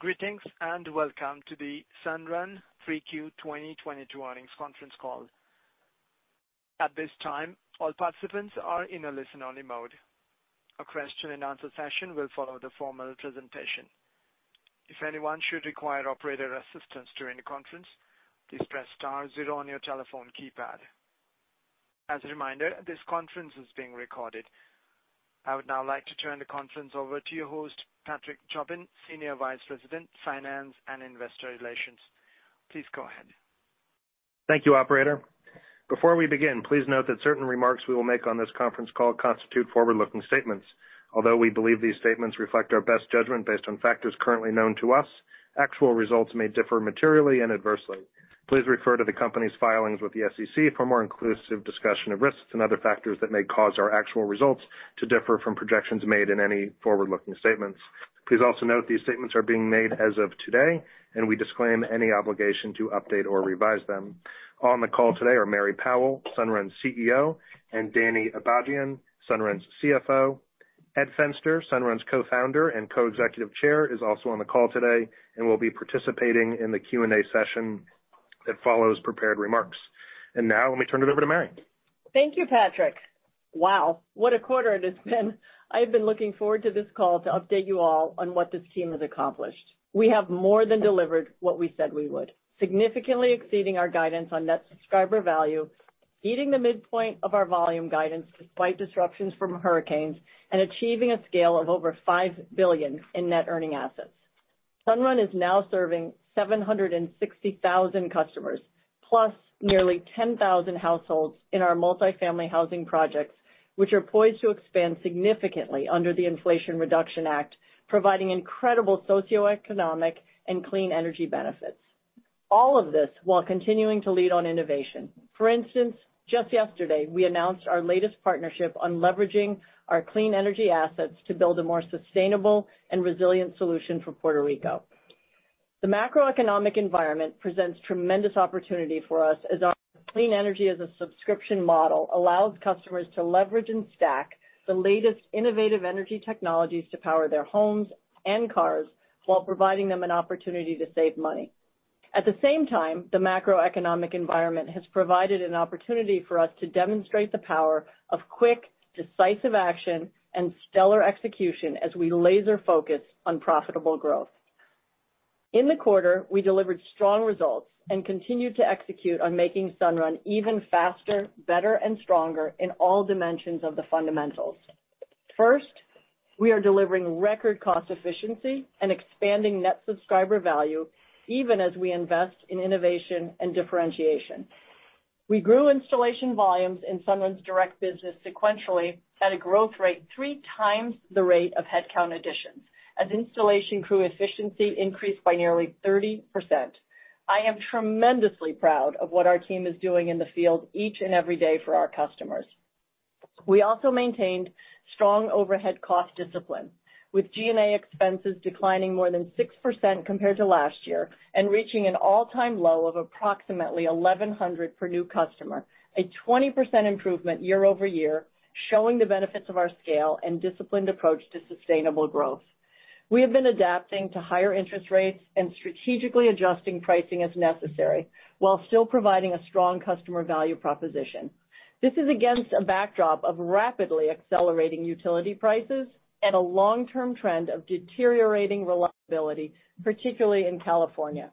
Greetings, and welcome to the Sunrun Q3 2022 Earnings Conference Call. At this time, all participants are in a listen-only mode. A Q&A session will follow the formal presentation. If anyone should require operator assistance during the conference, please press Star zero on your telephone keypad. As a reminder, this conference is being recorded. I would now like to turn the conference over to your host, Patrick Jobin, Senior Vice President, Finance and Investor Relations. Please go ahead. Thank you, operator. Before we begin, please note that certain remarks we will make on this conference call constitute forward-looking statements. Although we believe these statements reflect our best judgment based on factors currently known to us, actual results may differ materially and adversely. Please refer to the company's filings with the SEC for a more inclusive discussion of risks and other factors that may cause our actual results to differ from projections made in any forward-looking statements. Please also note these statements are being made as of today, and we disclaim any obligation to update or revise them. On the call today are Mary Powell, Sunrun's CEO, and Danny Abajian, Sunrun's CFO. Edward Fenster, Sunrun's Co-Founder and Co-Executive Chair, is also on the call today and will be participating in the Q&A session that follows prepared remarks. Now let me turn it over to Mary. Thank you, Patrick. Wow, what a quarter it has been. I've been looking forward to this call to update you all on what this team has accomplished. We have more than delivered what we said we would, significantly exceeding our guidance on net subscriber value, beating the midpoint of our volume guidance despite disruptions from hurricanes and achieving a scale of over $5 billion in Net Earning Assets. Sunrun is now serving 760,000 customers, plus nearly 10,000 households in our multifamily housing projects, which are poised to expand significantly under the Inflation Reduction Act, providing incredible socioeconomic and clean energy benefits. All of this while continuing to lead on innovation. For instance, just yesterday, we announced our latest partnership on leveraging our clean energy assets to build a more sustainable and resilient solution for Puerto Rico. The macroeconomic environment presents tremendous opportunity for us as our clean energy as a subscription model allows customers to leverage and stack the latest innovative energy technologies to power their homes and cars while providing them an opportunity to save money. At the same time, the macroeconomic environment has provided an opportunity for us to demonstrate the power of quick, decisive action and stellar execution as we laser focus on profitable growth. In the quarter, we delivered strong results and continued to execute on making Sunrun even faster, better and stronger in all dimensions of the fundamentals. First, we are delivering record cost efficiency and expanding net subscriber value even as we invest in innovation and differentiation. We grew installation volumes in Sunrun's direct business sequentially at a growth rate three times the rate of headcount additions as installation crew efficiency increased by nearly 30%. I am tremendously proud of what our team is doing in the field each and every day for our customers. We also maintained strong overhead cost discipline, with G&A expenses declining more than 6% compared to last year and reaching an all-time low of approximately $1,100 per new customer, a 20% improvement year-over-year, showing the benefits of our scale and disciplined approach to sustainable growth. We have been adapting to higher interest rates and strategically adjusting pricing as necessary while still providing a strong customer value proposition. This is against a backdrop of rapidly accelerating utility prices and a long-term trend of deteriorating reliability, particularly in California.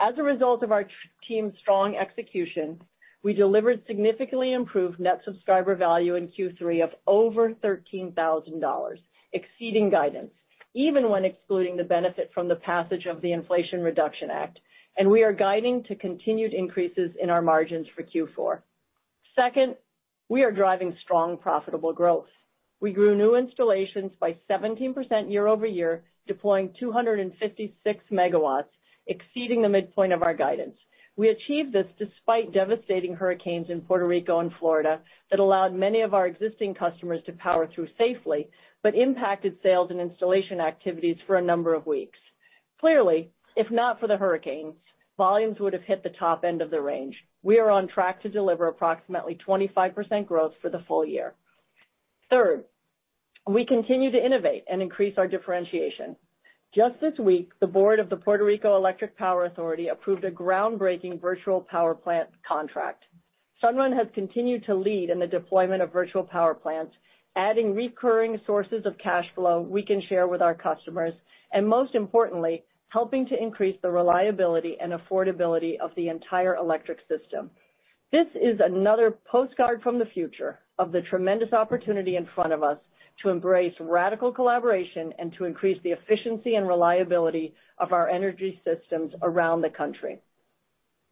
As a result of our team's strong execution, we delivered significantly improved net subscriber value in Q3 of over $13,000, exceeding guidance, even when excluding the benefit from the passage of the Inflation Reduction Act. We are guiding to continued increases in our margins for Q4. Second, we are driving strong, profitable growth. We grew new installations by 17% year-over-year, deploying 256 megawatts, exceeding the midpoint of our guidance. We achieved this despite devastating hurricanes in Puerto Rico and Florida that allowed many of our existing customers to power through safely, but impacted sales and installation activities for a number of weeks. Clearly, if not for the hurricanes, volumes would have hit the top end of the range. We are on track to deliver approximately 25% growth for the full year. Third, we continue to innovate and increase our differentiation. Just this week, the board of the Puerto Rico Electric Power Authority approved a groundbreaking virtual power plant contract. Sunrun has continued to lead in the deployment of virtual power plants, adding recurring sources of cash flow we can share with our customers, and most importantly, helping to increase the reliability and affordability of the entire electric system. This is another postcard from the future of the tremendous opportunity in front of us to embrace radical collaboration and to increase the efficiency and reliability of our energy systems around the country.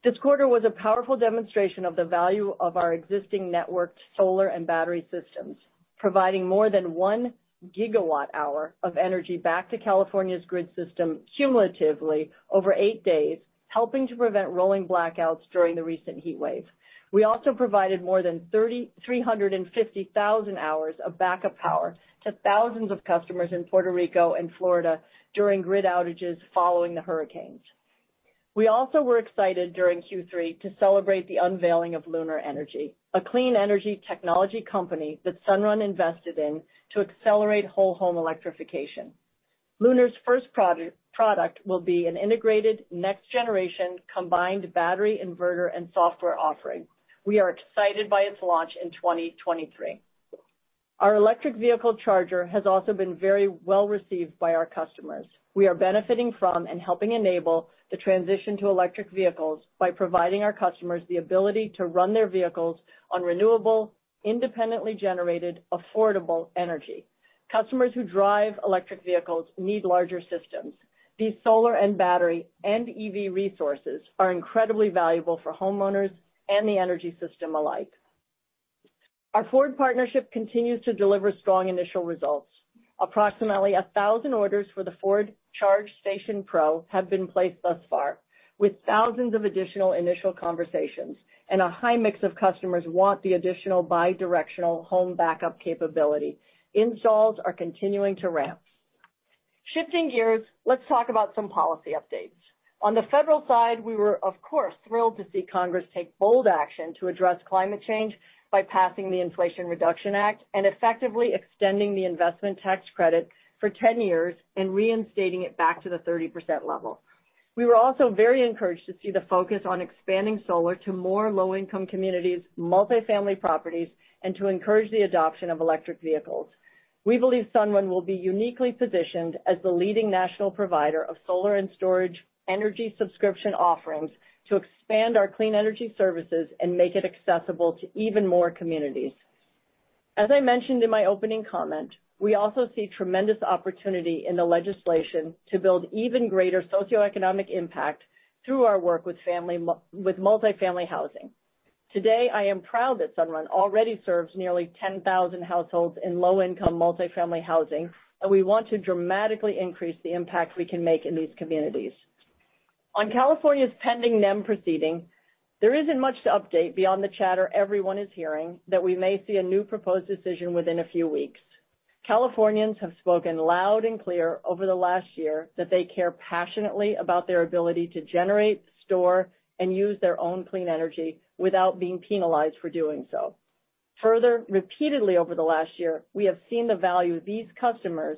This quarter was a powerful demonstration of the value of our existing networked solar and battery systems, providing more than 1 GWh of energy back to California's grid system cumulatively over eight days, helping to prevent rolling blackouts during the recent heat wave. We also provided more than 350,000 hours of backup power to thousands of customers in Puerto Rico and Florida during grid outages following the hurricanes. We also were excited during Q3 to celebrate the unveiling of Lunar Energy, a clean energy technology company that Sunrun invested in to accelerate whole home electrification. Lunar's first product will be an integrated next generation combined battery inverter and software offering. We are excited by its launch in 2023. Our electric vehicle charger has also been very well received by our customers. We are benefiting from and helping enable the transition to electric vehicles by providing our customers the ability to run their vehicles on renewable, independently generated, affordable energy. Customers who drive electric vehicles need larger systems. These solar and battery and EV resources are incredibly valuable for homeowners and the energy system alike. Our Ford partnership continues to deliver strong initial results. Approximately 1,000 orders for the Ford Charge Station Pro have been placed thus far, with thousands of additional initial conversations, and a high mix of customers want the additional bi-directional home backup capability. Installs are continuing to ramp. Shifting gears, let's talk about some policy updates. On the federal side, we were, of course, thrilled to see Congress take bold action to address climate change by passing the Inflation Reduction Act and effectively extending the investment tax credit for 10 years and reinstating it back to the 30% level. We were also very encouraged to see the focus on expanding solar to more low-income communities, multifamily properties, and to encourage the adoption of electric vehicles. We believe Sunrun will be uniquely positioned as the leading national provider of solar and storage energy subscription offerings to expand our clean energy services and make it accessible to even more communities. As I mentioned in my opening comment, we also see tremendous opportunity in the legislation to build even greater socioeconomic impact through our work with multifamily housing. Today, I am proud that Sunrun already serves nearly 10,000 households in low-income multifamily housing, and we want to dramatically increase the impact we can make in these communities. On California's pending NEM proceeding, there isn't much to update beyond the chatter everyone is hearing that we may see a new proposed decision within a few weeks. Californians have spoken loud and clear over the last year that they care passionately about their ability to generate, store, and use their own clean energy without being penalized for doing so. Further, repeatedly over the last year, we have seen the value these customers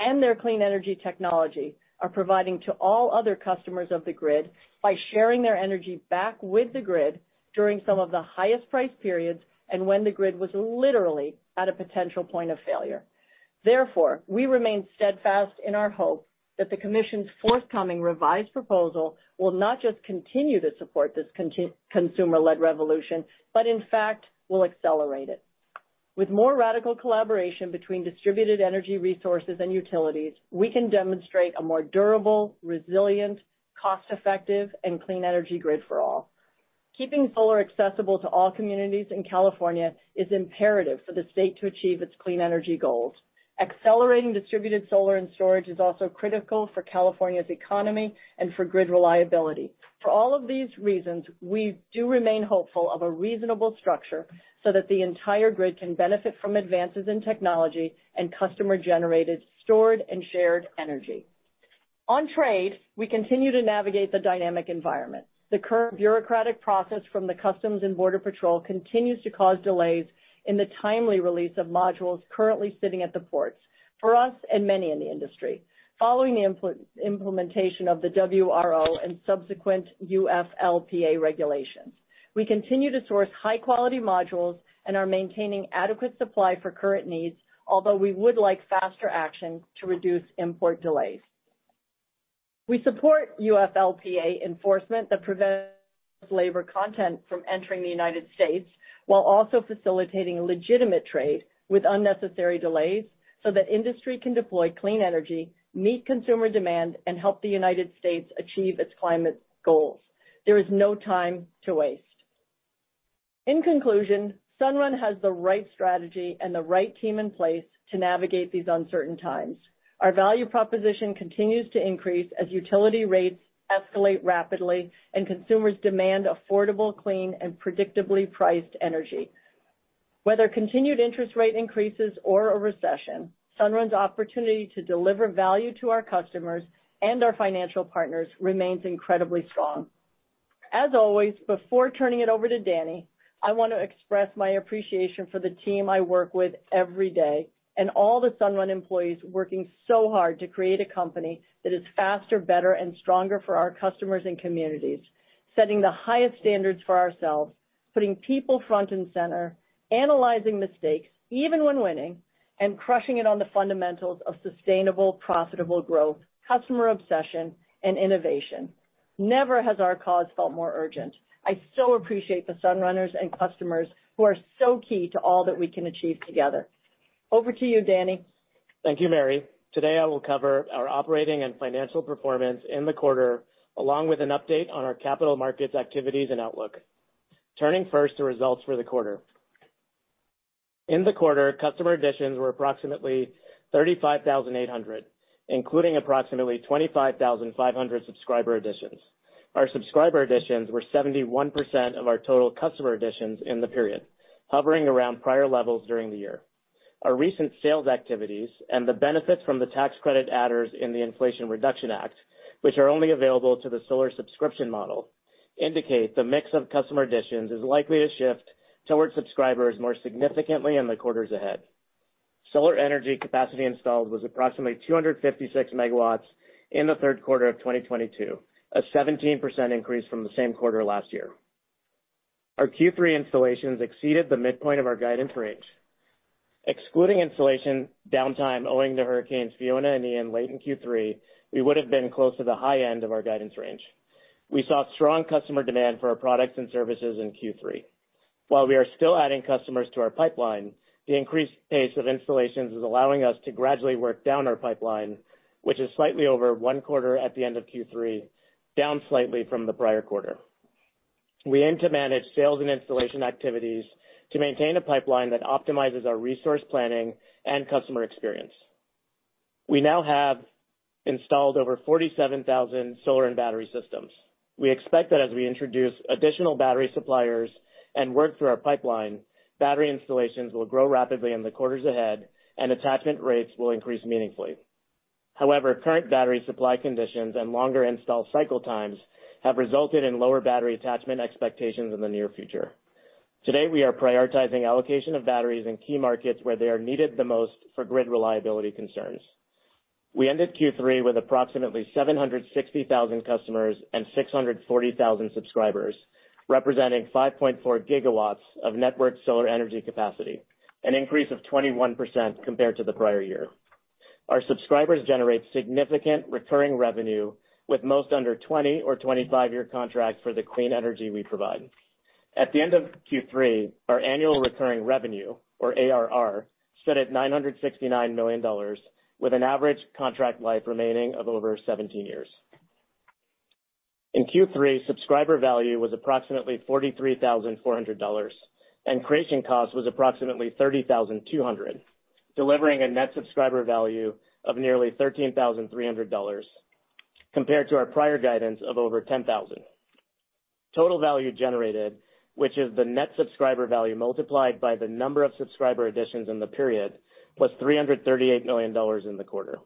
and their clean energy technology are providing to all other customers of the grid by sharing their energy back with the grid during some of the highest price periods and when the grid was literally at a potential point of failure. Therefore, we remain steadfast in our hope that the commission's forthcoming revised proposal will not just continue to support this consumer-led revolution, but in fact, will accelerate it. With more radical collaboration between distributed energy resources and utilities, we can demonstrate a more durable, resilient, cost-effective, and clean energy grid for all. Keeping solar accessible to all communities in California is imperative for the state to achieve its clean energy goals. Accelerating distributed solar and storage is also critical for California's economy and for grid reliability. For all of these reasons, we do remain hopeful of a reasonable structure so that the entire grid can benefit from advances in technology and customer-generated, stored, and shared energy. On trade, we continue to navigate the dynamic environment. The current bureaucratic process from the U.S. Customs and Border Protection continues to cause delays in the timely release of modules currently sitting at the ports for us and many in the industry following the implementation of the WRO and subsequent UFLPA regulations. We continue to source high-quality modules and are maintaining adequate supply for current needs, although we would like faster action to reduce import delays. We support UFLPA enforcement that prevents labor content from entering the United States while also facilitating legitimate trade with unnecessary delays so that industry can deploy clean energy, meet consumer demand, and help the United States achieve its climate goals. There is no time to waste. In conclusion, Sunrun has the right strategy and the right team in place to navigate these uncertain times. Our value proposition continues to increase as utility rates escalate rapidly and consumers demand affordable, clean, and predictably priced energy. Whether continued interest rate increases or a recession, Sunrun's opportunity to deliver value to our customers and our financial partners remains incredibly strong. As always, before turning it over to Danny, I want to express my appreciation for the team I work with every day and all the Sunrun employees working so hard to create a company that is faster, better, and stronger for our customers and communities, setting the highest standards for ourselves, putting people front and center, analyzing mistakes, even when winning, and crushing it on the fundamentals of sustainable, profitable growth, customer obsession, and innovation. Never has our cause felt more urgent. I so appreciate the Sunrunners and customers who are so key to all that we can achieve together. Over to you, Danny. Thank you, Mary. Today, I will cover our operating and financial performance in the quarter, along with an update on our capital markets activities and outlook. Turning first to results for the quarter. In the quarter, customer additions were approximately 35,800, including approximately 25,500 subscriber additions. Our subscriber additions were 71% of our total customer additions in the period, hovering around prior levels during the year. Our recent sales activities and the benefits from the tax credit adders in the Inflation Reduction Act, which are only available to the solar subscription model, indicate the mix of customer additions is likely to shift towards subscribers more significantly in the quarters ahead. Solar energy capacity installed was approximately 256 MW in the Q3 of 2022, a 17% increase from the same quarter last year. Our Q3 installations exceeded the midpoint of our guidance range. Excluding installation downtime owing to Hurricane Fiona and Hurricane Ian late in Q3, we would've been close to the high end of our guidance range. We saw strong customer demand for our products and services in Q3. While we are still adding customers to our pipeline, the increased pace of installations is allowing us to gradually work down our pipeline, which is slightly over one quarter at the end of Q3, down slightly from the prior quarter. We aim to manage sales and installation activities to maintain a pipeline that optimizes our resource planning and customer experience. We now have installed over 47,000 solar and battery systems. We expect that as we introduce additional battery suppliers and work through our pipeline, battery installations will grow rapidly in the quarters ahead and attachment rates will increase meaningfully. However, current battery supply conditions and longer install cycle times have resulted in lower battery attachment expectations in the near future. Today, we are prioritizing allocation of batteries in key markets where they are needed the most for grid reliability concerns. We ended Q3 with approximately 760,000 customers and 640,000 subscribers, representing 5.4 gigawatts of network solar energy capacity, an increase of 21% compared to the prior year. Our subscribers generate significant recurring revenue with most under 20- or 25-year contracts for the clean energy we provide. At the end of Q3, our annual recurring revenue, or ARR, stood at $969 million with an average contract life remaining of over 17 years. In Q3, subscriber value was approximately $43,400, and creation cost was approximately $30,200, delivering a net subscriber value of nearly $13,300 compared to our prior guidance of over $10,000. Total value generated, which is the net subscriber value multiplied by the number of subscriber additions in the period, was $338 million in the quarter.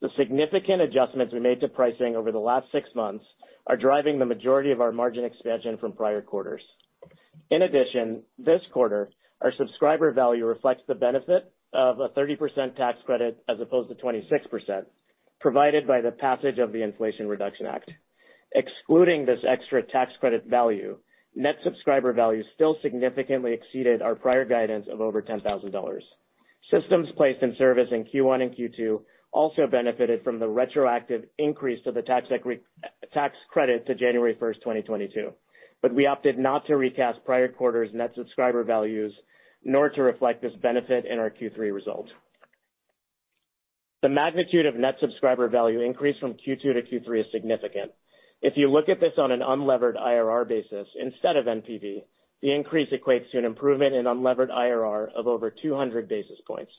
The significant adjustments we made to pricing over the last six months are driving the majority of our margin expansion from prior quarters. In addition, this quarter, our subscriber value reflects the benefit of a 30% tax credit as opposed to 26% provided by the passage of the Inflation Reduction Act. Excluding this extra tax credit value, net subscriber value still significantly exceeded our prior guidance of over $10,000. Systems placed in service in Q1 and Q2 also benefited from the retroactive increase to the tax credit to January 1, 2022, but we opted not to recast prior quarters net subscriber values nor to reflect this benefit in our Q3 results. The magnitude of net subscriber value increase from Q2 to Q3 is significant. If you look at this on an unlevered IRR basis instead of NPV, the increase equates to an improvement in unlevered IRR of over 200 basis points.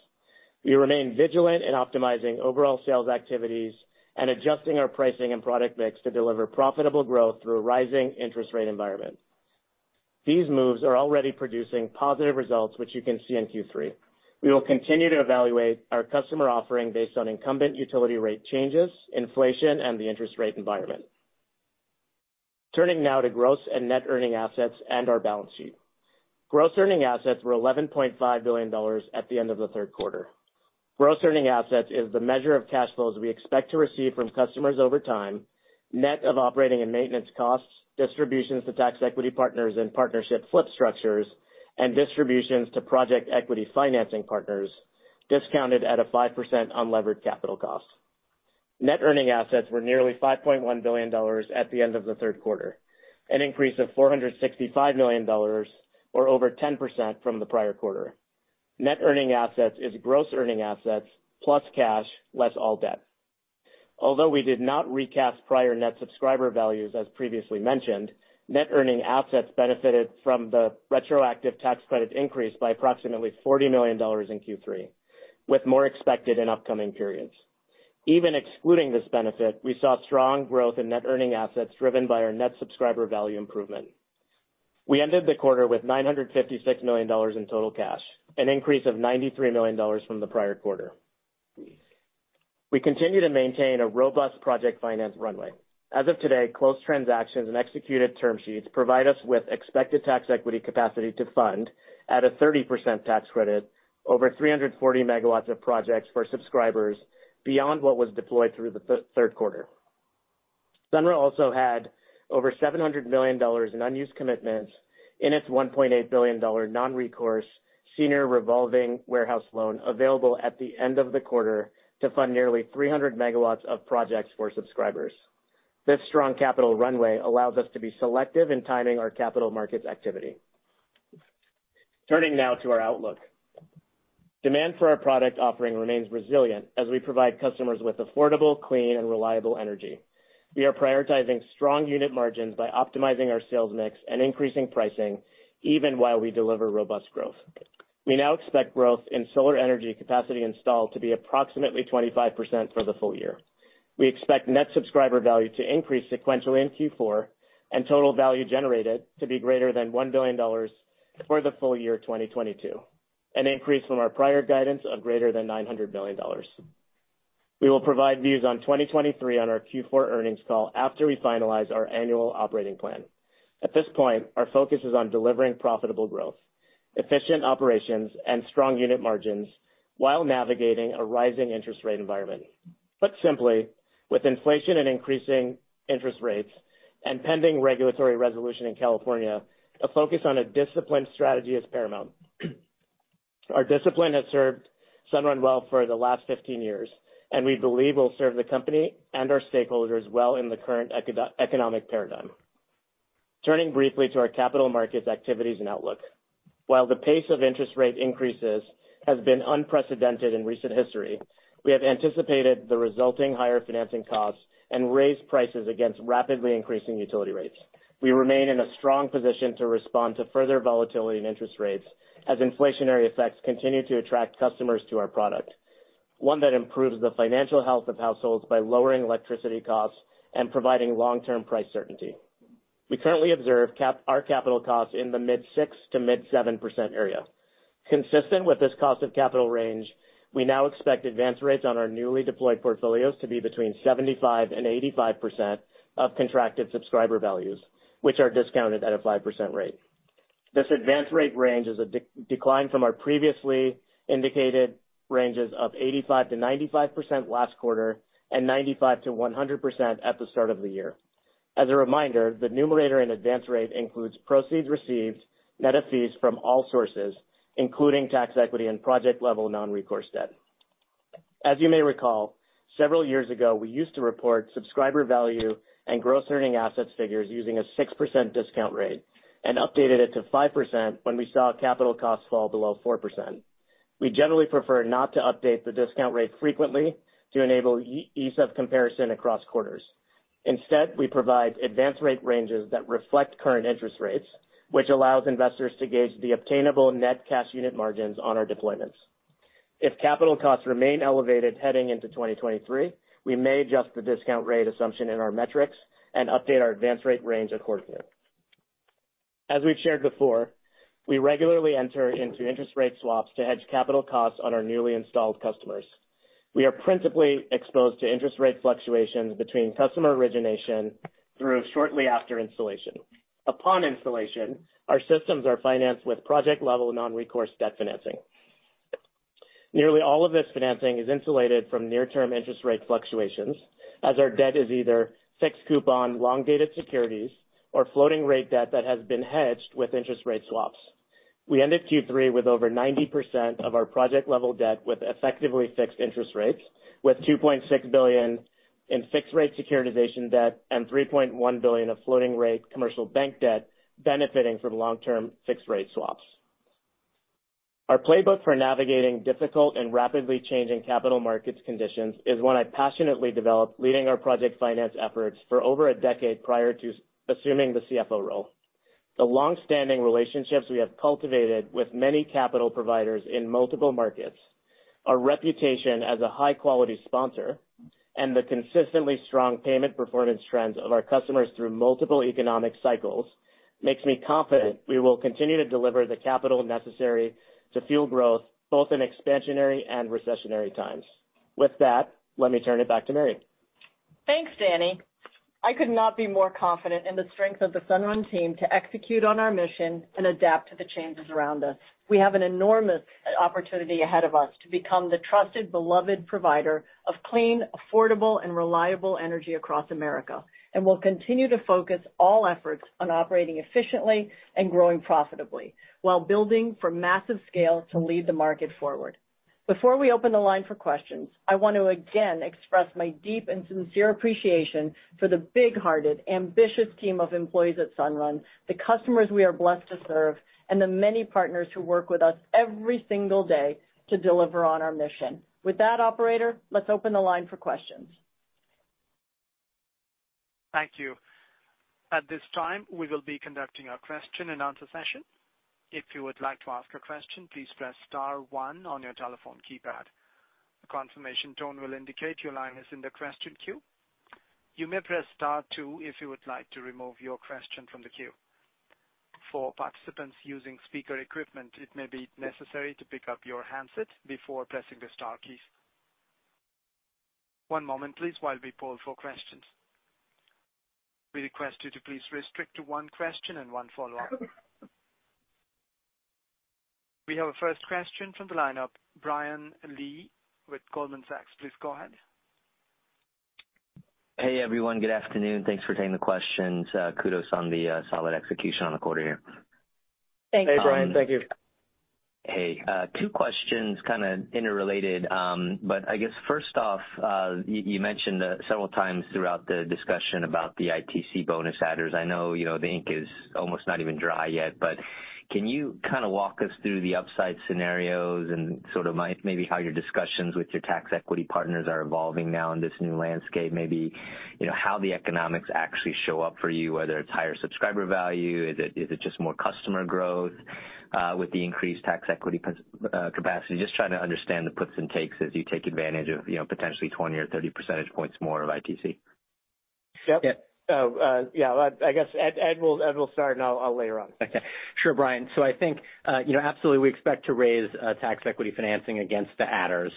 We remain vigilant in optimizing overall sales activities and adjusting our pricing and product mix to deliver profitable growth through a rising interest rate environment. These moves are already producing positive results, which you can see in Q3. We will continue to evaluate our customer offering based on incumbent utility rate changes, inflation, and the interest rate environment. Turning now to Gross Earning Assets and Net Earning Assets and our balance sheet. Gross Earning Assets were $11.5 billion at the end of the Q3. Gross Earning Assets is the measure of cash flows we expect to receive from customers over time, net of operating and maintenance costs, distributions to tax equity partners in partnership flip structures, and distributions to project equity financing partners discounted at a 5% unlevered capital cost. Net Earning Assets were nearly $5.1 billion at the end of the Q3, an increase of $465 million or over 10% from the prior quarter. Net Earning Assets is Gross Earning Assets plus cash, less all debt. Although we did not recast prior net subscriber values as previously mentioned, Net Earning Assets benefited from the retroactive tax credit increase by approximately $40 million in Q3, with more expected in upcoming periods. Even excluding this benefit, we saw strong growth in Net Earning Assets driven by our net subscriber value improvement. We ended the quarter with $956 million in total cash, an increase of $93 million from the prior quarter. We continue to maintain a robust project finance runway. As of today, closed transactions and executed term sheets provide us with expected tax equity capacity to fund at a 30% tax credit over 340 megawatts of projects for subscribers beyond what was deployed through the Q3. Sunrun also had over $700 million in unused commitments in its $1.8 billion non-recourse senior revolving warehouse loan available at the end of the quarter to fund nearly 300 megawatts of projects for subscribers. This strong capital runway allows us to be selective in timing our capital markets activity. Turning now to our outlook. Demand for our product offering remains resilient as we provide customers with affordable, clean, and reliable energy. We are prioritizing strong unit margins by optimizing our sales mix and increasing pricing even while we deliver robust growth. We now expect growth in solar energy capacity installed to be approximately 25% for the full year. We expect net subscriber value to increase sequentially in Q4 and total value generated to be greater than $1 billion for the Full Year 2022, an increase from our prior guidance of greater than $900 million. We will provide views on 2023 on our Q4 earnings call after we finalize our annual operating plan. At this point, our focus is on delivering profitable growth, efficient operations, and strong unit margins while navigating a rising interest rate environment. Put simply, with inflation and increasing interest rates and pending regulatory resolution in California, a focus on a disciplined strategy is paramount. Our discipline has served Sunrun well for the last 15 years, and we believe will serve the company and our stakeholders well in the current economic paradigm. Turning briefly to our capital markets activities and outlook. While the pace of interest rate increases has been unprecedented in recent history, we have anticipated the resulting higher financing costs and raised prices against rapidly increasing utility rates. We remain in a strong position to respond to further volatility in interest rates as inflationary effects continue to attract customers to our product, one that improves the financial health of households by lowering electricity costs and providing long-term price certainty. We currently observe our capital costs in the mid-6% to mid-7% area. Consistent with this cost of capital range, we now expect advance rates on our newly deployed portfolios to be between 75% and 85% of contracted subscriber values, which are discounted at a 5% rate. This advance rate range is a decline from our previously indicated ranges of 85%-95% last quarter and 95%-100% at the start of the year. As a reminder, the numerator in advance rate includes proceeds received net of fees from all sources, including tax equity and project-level non-recourse debt. As you may recall, several years ago, we used to report Subscriber Value and Gross Earning Assets figures using a 6% discount rate and updated it to 5% when we saw capital costs fall below 4%. We generally prefer not to update the discount rate frequently to enable ease of comparison across quarters. Instead, we provide advance rate ranges that reflect current interest rates, which allows investors to gauge the obtainable net cash unit margins on our deployments. If capital costs remain elevated heading into 2023, we may adjust the discount rate assumption in our metrics and update our advance rate range accordingly. As we've shared before, we regularly enter into interest rate swaps to hedge capital costs on our newly installed customers. We are principally exposed to interest rate fluctuations between customer origination through shortly after installation. Upon installation, our systems are financed with project-level non-recourse debt financing. Nearly all of this financing is insulated from near-term interest rate fluctuations, as our debt is either fixed coupon long-dated securities or floating rate debt that has been hedged with interest rate swaps. We ended Q3 with over 90% of our project-level debt with effectively fixed interest rates, with $2.6 billion in fixed rate securitization debt and $3.1 billion of floating rate commercial bank debt benefiting from long-term fixed rate swaps. Our playbook for navigating difficult and rapidly changing capital markets conditions is one I passionately developed leading our project finance efforts for over a decade prior to assuming the CFO role. The longstanding relationships we have cultivated with many capital providers in multiple markets, our reputation as a high-quality sponsor, and the consistently strong payment performance trends of our customers through multiple economic cycles makes me confident we will continue to deliver the capital necessary to fuel growth both in expansionary and recessionary times. With that, let me turn it back to Mary. Thanks, Danny. I could not be more confident in the strength of the Sunrun team to execute on our mission and adapt to the changes around us. We have an enormous opportunity ahead of us to become the trusted, beloved provider of clean, affordable, and reliable energy across America, and we'll continue to focus all efforts on operating efficiently and growing profitably while building for massive scale to lead the market forward. Before we open the line for questions, I want to again express my deep and sincere appreciation for the big-hearted, ambitious team of employees at Sunrun, the customers we are blessed to serve, and the many partners who work with us every single day to deliver on our mission. With that, operator, let's open the line for questions. Thank you. At this time, we will be conducting our Q&A session. If you would like to ask a question, please press Star one on your telephone keypad. A confirmation tone will indicate your line is in the question queue. You may press Star two if you would like to remove your question from the queue. For participants using speaker equipment, it may be necessary to pick up your handset before pressing the Star keys. One moment please while we poll for questions. We request you to please restrict to one question and one follow-up. We have a first question from the lineup, Brian Lee with Goldman Sachs. Please go ahead. Hey, everyone. Good afternoon. Thanks for taking the questions. Kudos on the solid execution on the quarter here. Thanks. Hey, Brian. Thank you. Hey. Hey. Two questions, kind of interrelated. I guess first off, you mentioned several times throughout the discussion about the ITC bonus adders. I know, you know, the ink is almost not even dry yet, but can you kind of walk us through the upside scenarios and sort of maybe how your discussions with your tax equity partners are evolving now in this new landscape? Maybe. You know, how the economics actually show up for you, whether it's higher subscriber value, is it just more customer growth with the increased tax equity capacity? Just trying to understand the puts and takes as you take advantage of, you know, potentially 20 or 30 percentage points more of ITC. Yep. Yeah. I guess Ed will start and I'll layer on. Okay. Sure, Brian. I think, you know, absolutely we expect to raise tax equity financing against the adders.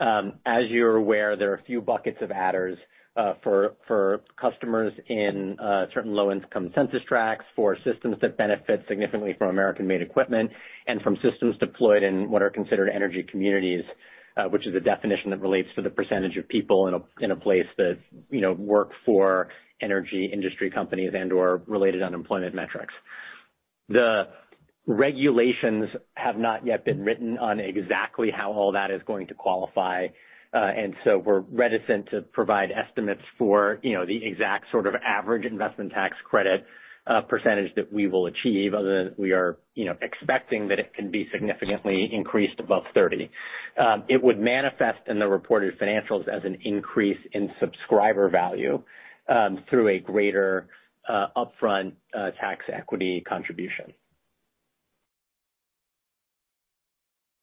As you're aware, there are a few buckets of adders for customers in certain low-income census tracts, for systems that benefit significantly from American-made equipment, and from systems deployed in what are considered energy communities, which is a definition that relates to the percentage of people in a place that, you know, work for energy industry companies and/or related unemployment metrics. The regulations have not yet been written on exactly how all that is going to qualify, and so we're reticent to provide estimates for, you know, the exact sort of average investment tax credit percentage that we will achieve other than we are, you know, expecting that it can be significantly increased above 30%. It would manifest in the reported financials as an increase in subscribervalue through a greater upfront tax equity contribution.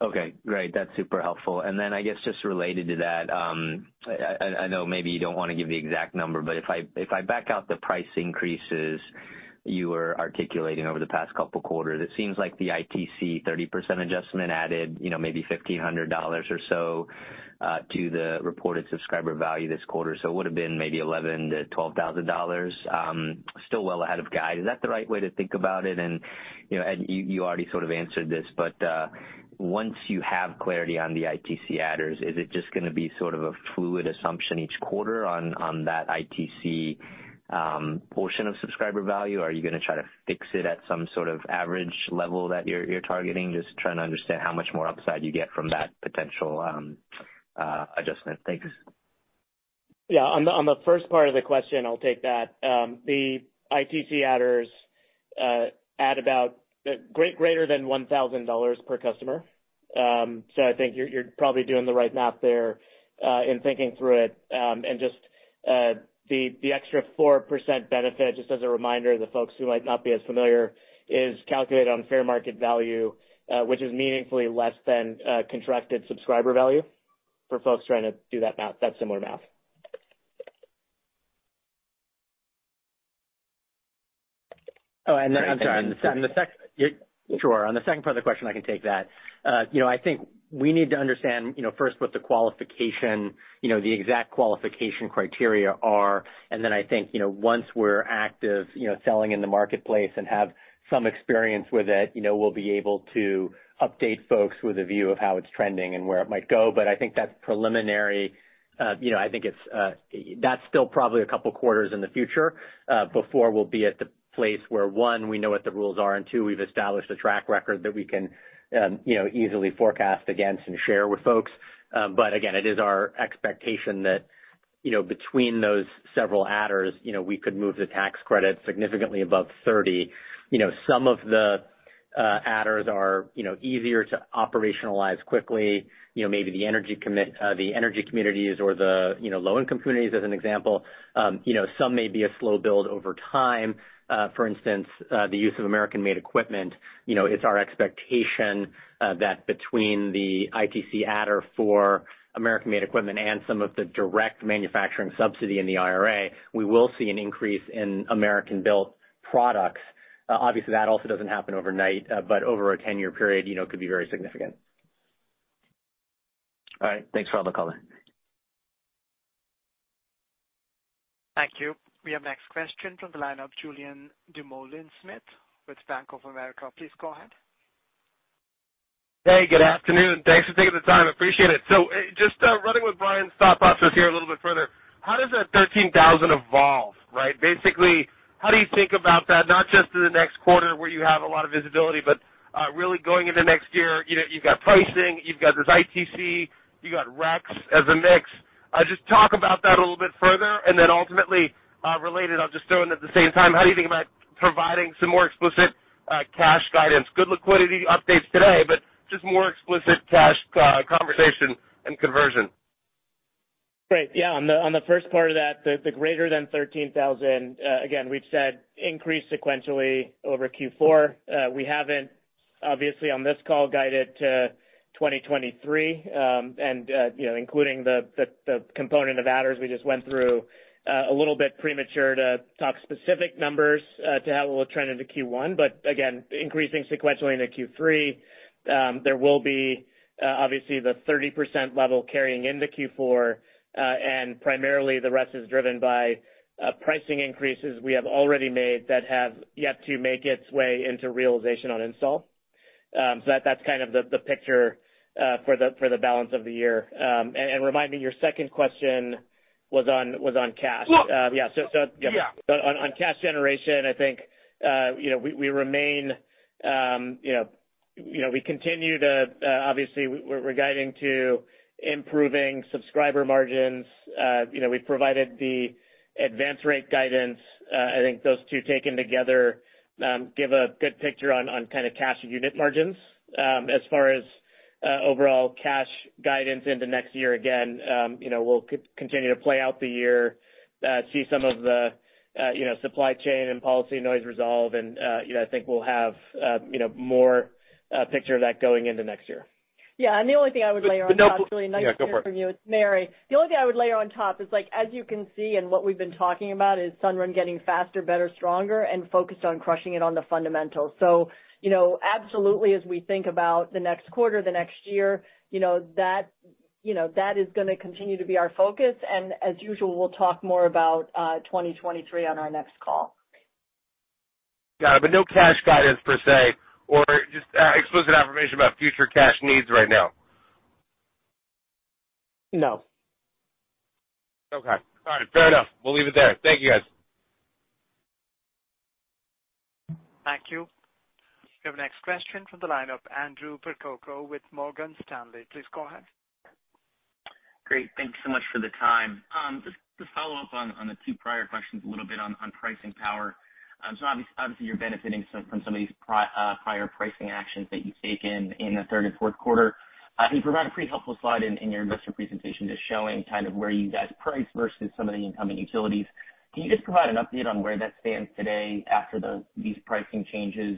Okay. Great. That's super helpful. I guess just related to that, I know maybe you don't want to give the exact number, but if I back out the price increases you were articulating over the past couple quarters, it seems like the ITC 30% adjustment added, you know, maybe $1,500 or so to the reported subscriber value this quarter. It would've been maybe $11,000-$12,000, still well ahead of guide. Is that the right way to think about it? You know, Ed, you already sort of answered this, but once you have clarity on the ITC adders, is it just going to be sort of a fluid assumption each quarter on that ITC portion of subscriber value? Are you going to try to fix it at some sort of average level that you're targeting? Just trying to understand how much more upside you get from that potential adjustment. Thanks. Yeah. On the first part of the question, I'll take that. The ITC adders add about greater than $1,000 per customer. I think you're probably doing the right math there in thinking through it. Just the extra 4% benefit, just as a reminder to folks who might not be as familiar, is calculated on fair market value, which is meaningfully less than contracted subscriber value for folks trying to do that math, that similar math. Oh, I'm sorry. On the sec- Great. Yeah, sure. On the second part of the question, I can take that. You know, I think we need to understand, you know, first what the qualification, you know, the exact qualification criteria are. Then I think, you know, once we're active, you know, selling in the marketplace and have some experience with it, you know, we'll be able to update folks with a view of how it's trending and where it might go. I think that's preliminary. You know, I think it's, that's still probably a couple quarters in the future, before we'll be at the place where, one, we know what the rules are, and two, we've established a track record that we can, you know, easily forecast against and share with folks. Again, it is our expectation that, you know, between those several adders, you know, we could move the tax credit significantly above 30%. You know, some of the adders are, you know, easier to operationalize quickly. You know, maybe the energy communities or the, you know, low-income communities as an example. You know, some may be a slow build over time. For instance, the use of American-made equipment, you know, it is our expectation that between the ITC adder for American-made equipment and some of the direct manufacturing subsidy in the IRA, we will see an increase in American-built products. Obviously, that also does not happen overnight, but over a 10-year period, you know, could be very significant. All right. Thanks for all the color. Thank you. We have next question from the line of Julien Dumoulin-Smith with Bank of America. Please go ahead. Hey, good afternoon. Thanks for taking the time. Appreciate it. So, just running with Brian's thought process here a little bit further, how does that 13,000 evolve, right? Basically, how do you think about that, not just in the next quarter where you have a lot of visibility, but really going into next year, you know, you've got pricing, you've got this ITC, you got RECs as a mix. Just talk about that a little bit further. Then ultimately, related, I'll just throw in at the same time, how do you think about providing some more explicit cash guidance? Good liquidity updates today, but just more explicit cash conversation and conversion. Great. Yeah. On the first part of that, the greater than 13,000, again, we've said increased sequentially over Q4. We haven't obviously on this call guided to 2023, and you know, including the component of adders we just went through, a little bit premature to talk specific numbers to how it will trend into Q1, but again, increasing sequentially into Q3. There will be obviously the 30% level carrying into Q4, and primarily the rest is driven by pricing increases we have already made that have yet to make its way into realization on install. So that's kind of the picture for the balance of the year. Remind me, your second question was on cash. Well- Yeah. Yeah. On cash generation, I think you know we remain you know we continue to obviously we're guiding to improving subscriber margins. You know, we've provided the advance rate guidance. I think those two taken together give a good picture on kind of cash unit margins. Overall cash guidance into next year, again you know we'll continue to play out the year, see some of the you know supply chain and policy noise resolve. You know, I think we'll have you know more picture of that going into next year. Yeah. The only thing I would layer on top. The no- Actually, nice to hear from you. Yeah, go for it. It's Mary. The only thing I would layer on top is like, as you can see and what we've been talking about is Sunrun getting faster, better, stronger, and focused on crushing it on the fundamentals. You know, absolutely, as we think about the next quarter, the next year, you know, that, you know, that is going to continue to be our focus. As usual, we'll talk more about 2023 on our next call. Got it. No cash guidance per se, or just explicit information about future cash needs right now? No. Okay. All right. Fair enough. We'll leave it there. Thank you, guys. Thank you. We have next question from the line of Andrew Percoco with Morgan Stanley. Please go ahead. Great. Thank you so much for the time. Just to follow up on the two prior questions, a little bit on pricing power. So obviously you're benefiting from some of these prior pricing actions that you've taken in the third and Q4. Can you provide a pretty helpful slide in your investor presentation just showing kind of where you guys price versus some of the incoming utilities? Can you just provide an update on where that stands today after these pricing changes,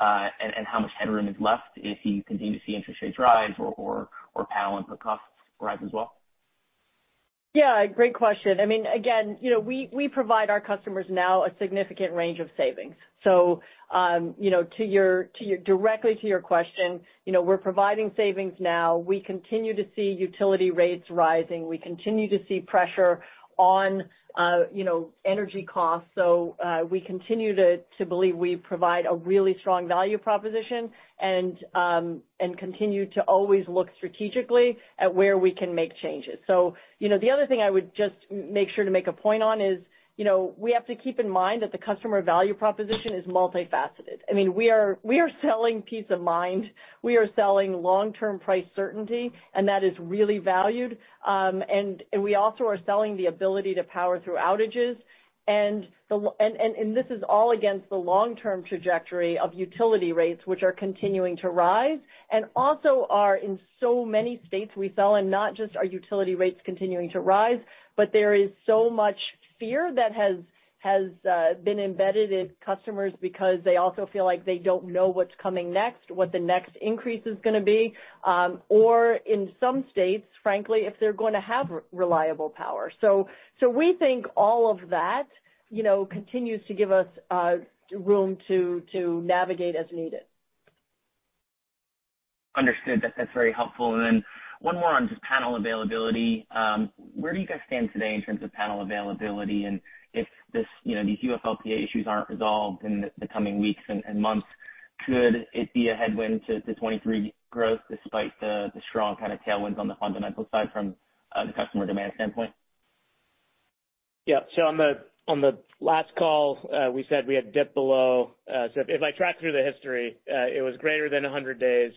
and how much headroom is left if you continue to see interest rates rise or panel input costs rise as well? Yeah, great question. I mean, again, you know, we provide our customers now a significant range of savings. To your directly to your question, you know, we're providing savings now. We continue to see utility rates rising. We continue to see pressure on, you know, energy costs. We continue to believe we provide a really strong value proposition and continue to always look strategically at where we can make changes. You know, the other thing I would just make sure to make a point on is, you know, we have to keep in mind that the customer value proposition is multifaceted. I mean, we are selling peace of mind. We are selling long-term price certainty, and that is really valued. We also are selling the ability to power through outages. This is all against the long-term trajectory of utility rates, which are continuing to rise. Also are in so many states we sell in, not just are utility rates continuing to rise, but there is so much fear that has been embedded in customers because they also feel like they don't know what's coming next, what the next increase is going to be, or in some states, frankly, if they're going to have reliable power. We think all of that, you know, continues to give us room to navigate as needed. Understood. That's very helpful. One more on just panel availability. Where do you guys stand today in terms of panel availability? If this, you know, these UFLPA issues aren't resolved in the coming weeks and months, could it be a headwind to 2023 growth despite the strong kind of tailwinds on the fundamental side from the customer demand standpoint? Yeah. On the last call, we said we had dipped below. If I track through the history, it was greater than 100 days.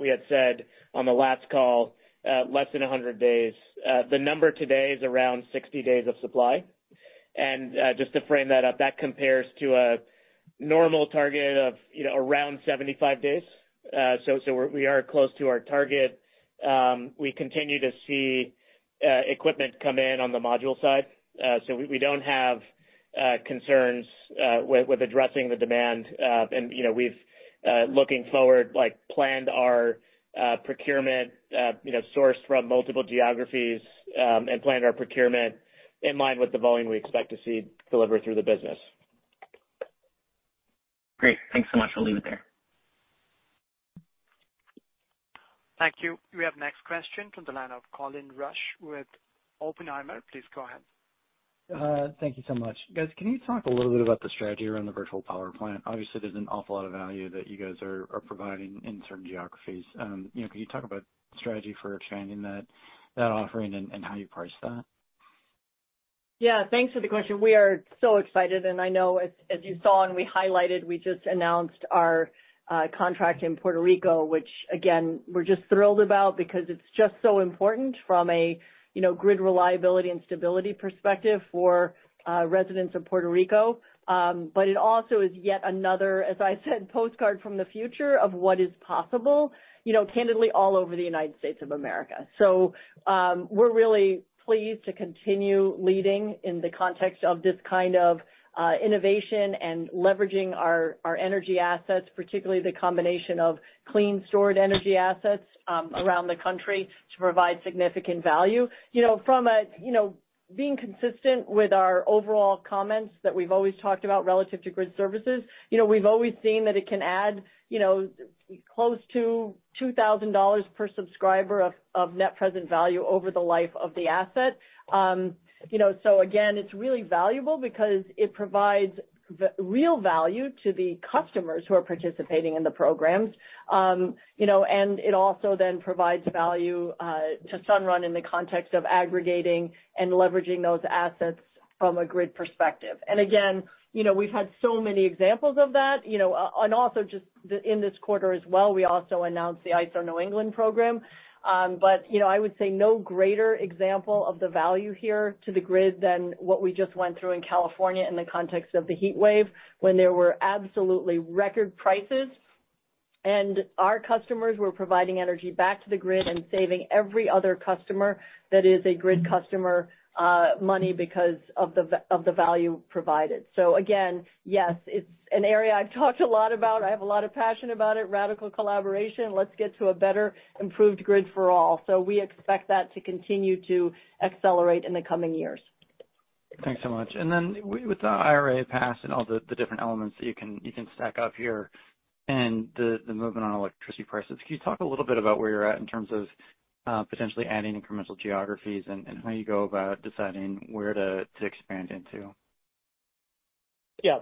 We had said on the last call, less than 100 days. The number today is around 60 days of supply. Just to frame that up, that compares to a normal target of, you know, around 75 days. We are close to our target. We continue to see equipment come in on the module side. We don't have concerns with addressing the demand. You know, looking forward, like, planned our procurement, you know, sourced from multiple geographies, and planned our procurement in line with the volume we expect to see deliver through the business. Great. Thanks so much. We'll leave it there. Thank you. We have next question from the line of Colin Rusch with Oppenheimer. Please go ahead. Thank you so much. Guys, can you talk a little bit about the strategy around the virtual power plant? Obviously, there's an awful lot of value that you guys are providing in certain geographies. You know, can you talk about strategy for expanding that offering and how you price that? Yeah, thanks for the question. We are so excited, and I know as you saw and we highlighted, we just announced our contract in Puerto Rico, which again, we're just thrilled about because it's just so important from a, you know, grid reliability and stability perspective for residents of Puerto Rico. It also is yet another, as I said postcard from the future of what is possible, you know, candidly all over the United States of America. We're really pleased to continue leading in the context of this kind of innovation and leveraging our energy assets, particularly the combination of clean stored energy assets around the country to provide significant value. You know, from being consistent with our overall comments that we've always talked about relative to grid services, you know, we've always seen that it can add, you know, close to $2,000 per subscriber of net present value over the life of the asset. You know, so again, it's really valuable because it provides real value to the customers who are participating in the programs. You know, it also then provides value to Sunrun in the context of aggregating and leveraging those assets from a grid perspective. Again, you know, we've had so many examples of that, you know, and also just in this quarter as well, we also announced the ISO New England program. You know, I would say no greater example of the value here to the grid than what we just went through in California in the context of the heat wave when there were absolutely record prices. Our customers were providing energy back to the grid and saving every other customer that is a grid customer, money because of the value provided. Again, yes, it's an area I've talked a lot about. I have a lot of passion about it. Radical collaboration. Let's get to a better improved grid for all. We expect that to continue to accelerate in the coming years. Thanks so much. With the IRA pass and all the different elements that you can stack up here and the movement on electricity prices, can you talk a little bit about where you're at in terms of potentially adding incremental geographies and how you go about deciding where to expand into? Yeah.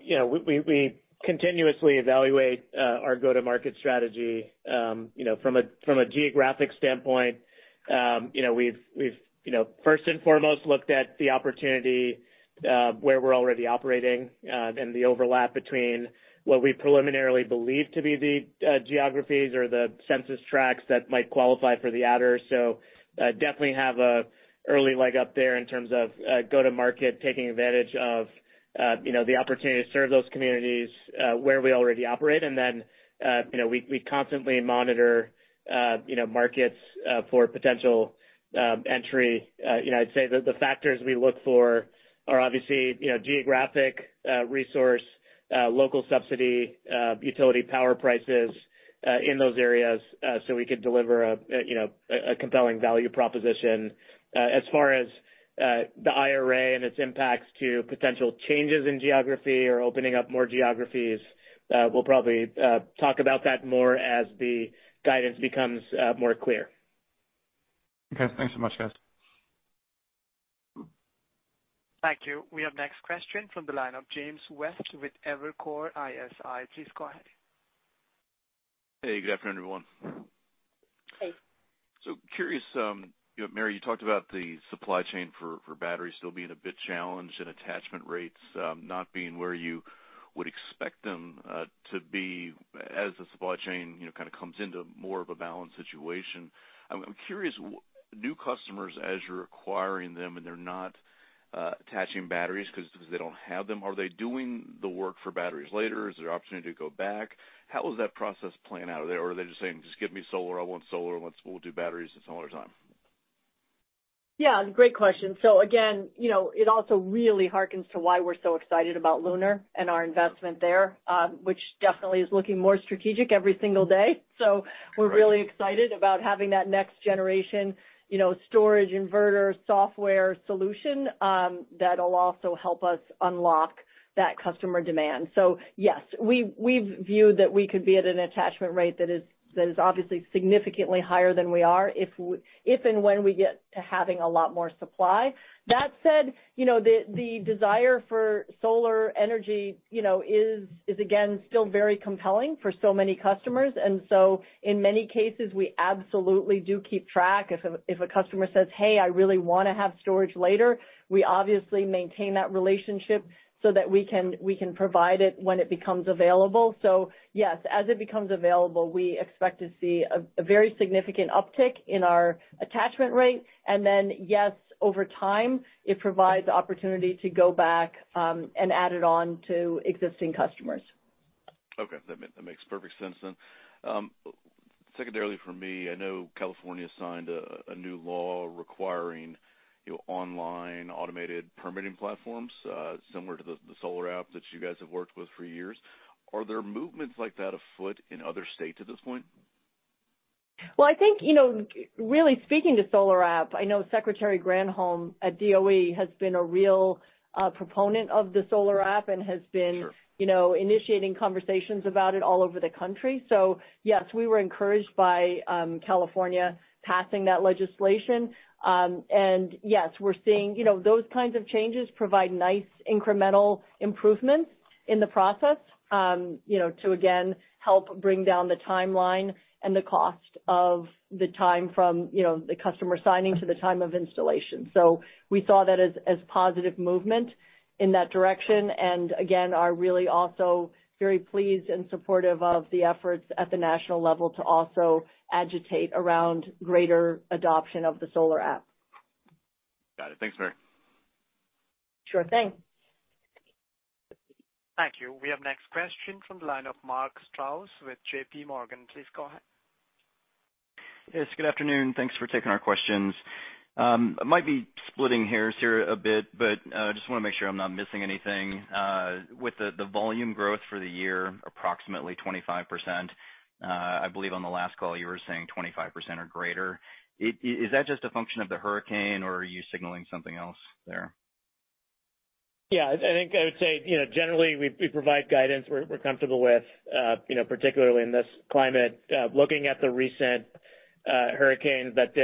You know, we continuously evaluate our go-to-market strategy. You know, from a geographic standpoint, you know, we've first and foremost looked at the opportunity where we're already operating and the overlap between what we preliminarily believe to be the geographies or the census tracts that might qualify for the adder. Definitely have a early leg up there in terms of go-to-market, taking advantage of you know, the opportunity to serve those communities where we already operate. You know, we constantly monitor you know, markets for potential entry. You know, I'd say the factors we look for are obviously, you know, geographic, resource, local subsidy, utility power prices, in those areas, so we could deliver a compelling value proposition. As far as the IRA and its impacts to potential changes in geography or opening up more geographies, we'll probably talk about that more as the guidance becomes more clear. Okay. Thanks so much, guys. Thank you. We have next question from the line of James West with Evercore ISI. Please go ahead. Hey, good afternoon, everyone. Hey. Curious, you know, Mary, you talked about the supply chain for batteries still being a bit challenged and attachment rates not being where you would expect them to be as the supply chain, you know, kind of comes into more of a balanced situation. I'm curious, new customers as you're acquiring them and they're not attaching batteries because they don't have them, are they doing the work for batteries later? Is there opportunity to go back? How is that process playing out? Are they just saying, "Just give me solar, I want solar. We'll do batteries some other time"? Yeah, great question. So again, you know, it also really hearkens to why we're so excited about Lunar and our investment there, which definitely is looking more strategic every single day. So we're really excited about having that next generation, you know, storage inverter software solution, that'll also help us unlock that customer demand. So yes, we've viewed that we could be at an attachment rate that is obviously significantly higher than we are if and when we get to having a lot more supply. That said, you know, the desire for solar energy, you know, is again still very compelling for so many customers. In many cases, we absolutely do keep track. If a customer says, "Hey, I really want to have storage later," we obviously maintain that relationship so that we can provide it when it becomes available. Yes, as it becomes available, we expect to see a very significant uptick in our attachment rate. Then, yes, over time, it provides the opportunity to go back and add it on to existing customers. Okay. That makes perfect sense then. Secondarily for me, I know California signed a new law requiring, you know, online automated permitting platforms, similar to the SolarAPP+ that you guys have worked with for years. Are there movements like that afoot in other states at this point? Well, I think, you know, really speaking to SolarAPP+, I know Secretary Granholm at DOE has been a real proponent of the SolarAPP+ and has been. Sure you know, initiating conversations about it all over the country. Yes, we were encouraged by California passing that legislation. Yes, we're seeing, you know, those kinds of changes provide nice incremental improvements in the process, you know, to again help bring down the timeline and the cost and the time from the customer signing to the time of installation. We saw that as positive movement in that direction, and again, are really also very pleased and supportive of the efforts at the national level to also agitate around greater adoption of the SolarAPP+. Got it. Thanks, Mary. Sure thing. Thank you. We have next question from the line of Mark Strouse with JP Morgan. Please go ahead. Yes, good afternoon. Thanks for taking our questions. I might be splitting hairs here a bit, but just want to make sure I'm not missing anything. With the volume growth for the year, approximately 25%, I believe on the last call you were saying 25% or greater. Is that just a function of the hurricane, or are you signaling something else there? Yeah. I think I would say, you know, generally we provide guidance we're comfortable with, you know, particularly in this climate. Looking at the recent hurricanes that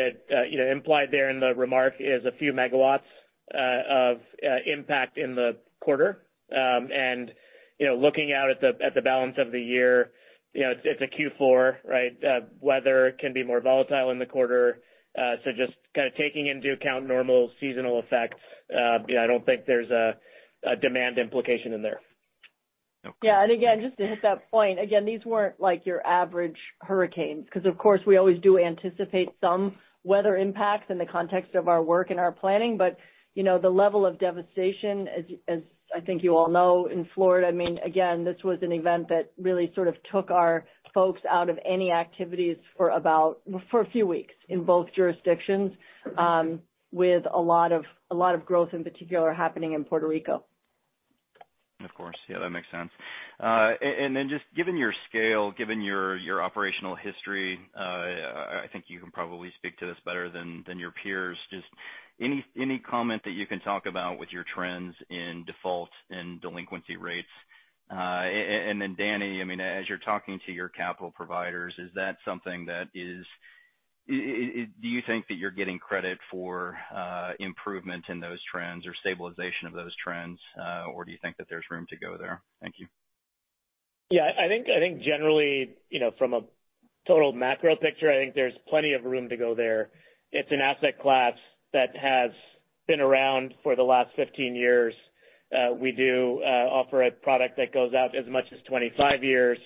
implied there in the remark is a few megawatts of impact in the quarter. Looking out at the balance of the year, you know, it's a Q4, right? Weather can be more volatile in the quarter. Just kind of taking into account normal seasonal effects, you know, I don't think there's a demand implication in there. Yeah. Again, just to hit that point, again, these weren't like your average hurricanes because of course, we always do anticipate some weather impacts in the context of our work and our planning. You know, the level of devastation, as I think you all know, in Florida, I mean, again, this was an event that really sort of took our folks out of any activities for about a few weeks in both jurisdictions, with a lot of growth in particular happening in Puerto Rico. Of course. Yeah, that makes sense. And then just given your scale, your operational history, I think you can probably speak to this better than your peers. Just any comment that you can talk about with your trends in defaults and delinquency rates. And then Danny, I mean, as you're talking to your capital providers, is that something that is. Do you think that you're getting credit for improvement in those trends or stabilization of those trends, or do you think that there's room to go there? Thank you. Yeah, I think generally, you know, from a total macro picture, I think there's plenty of room to go there. It's an asset class that has been around for the last 15 years. We offer a product that goes out as much as 25 years.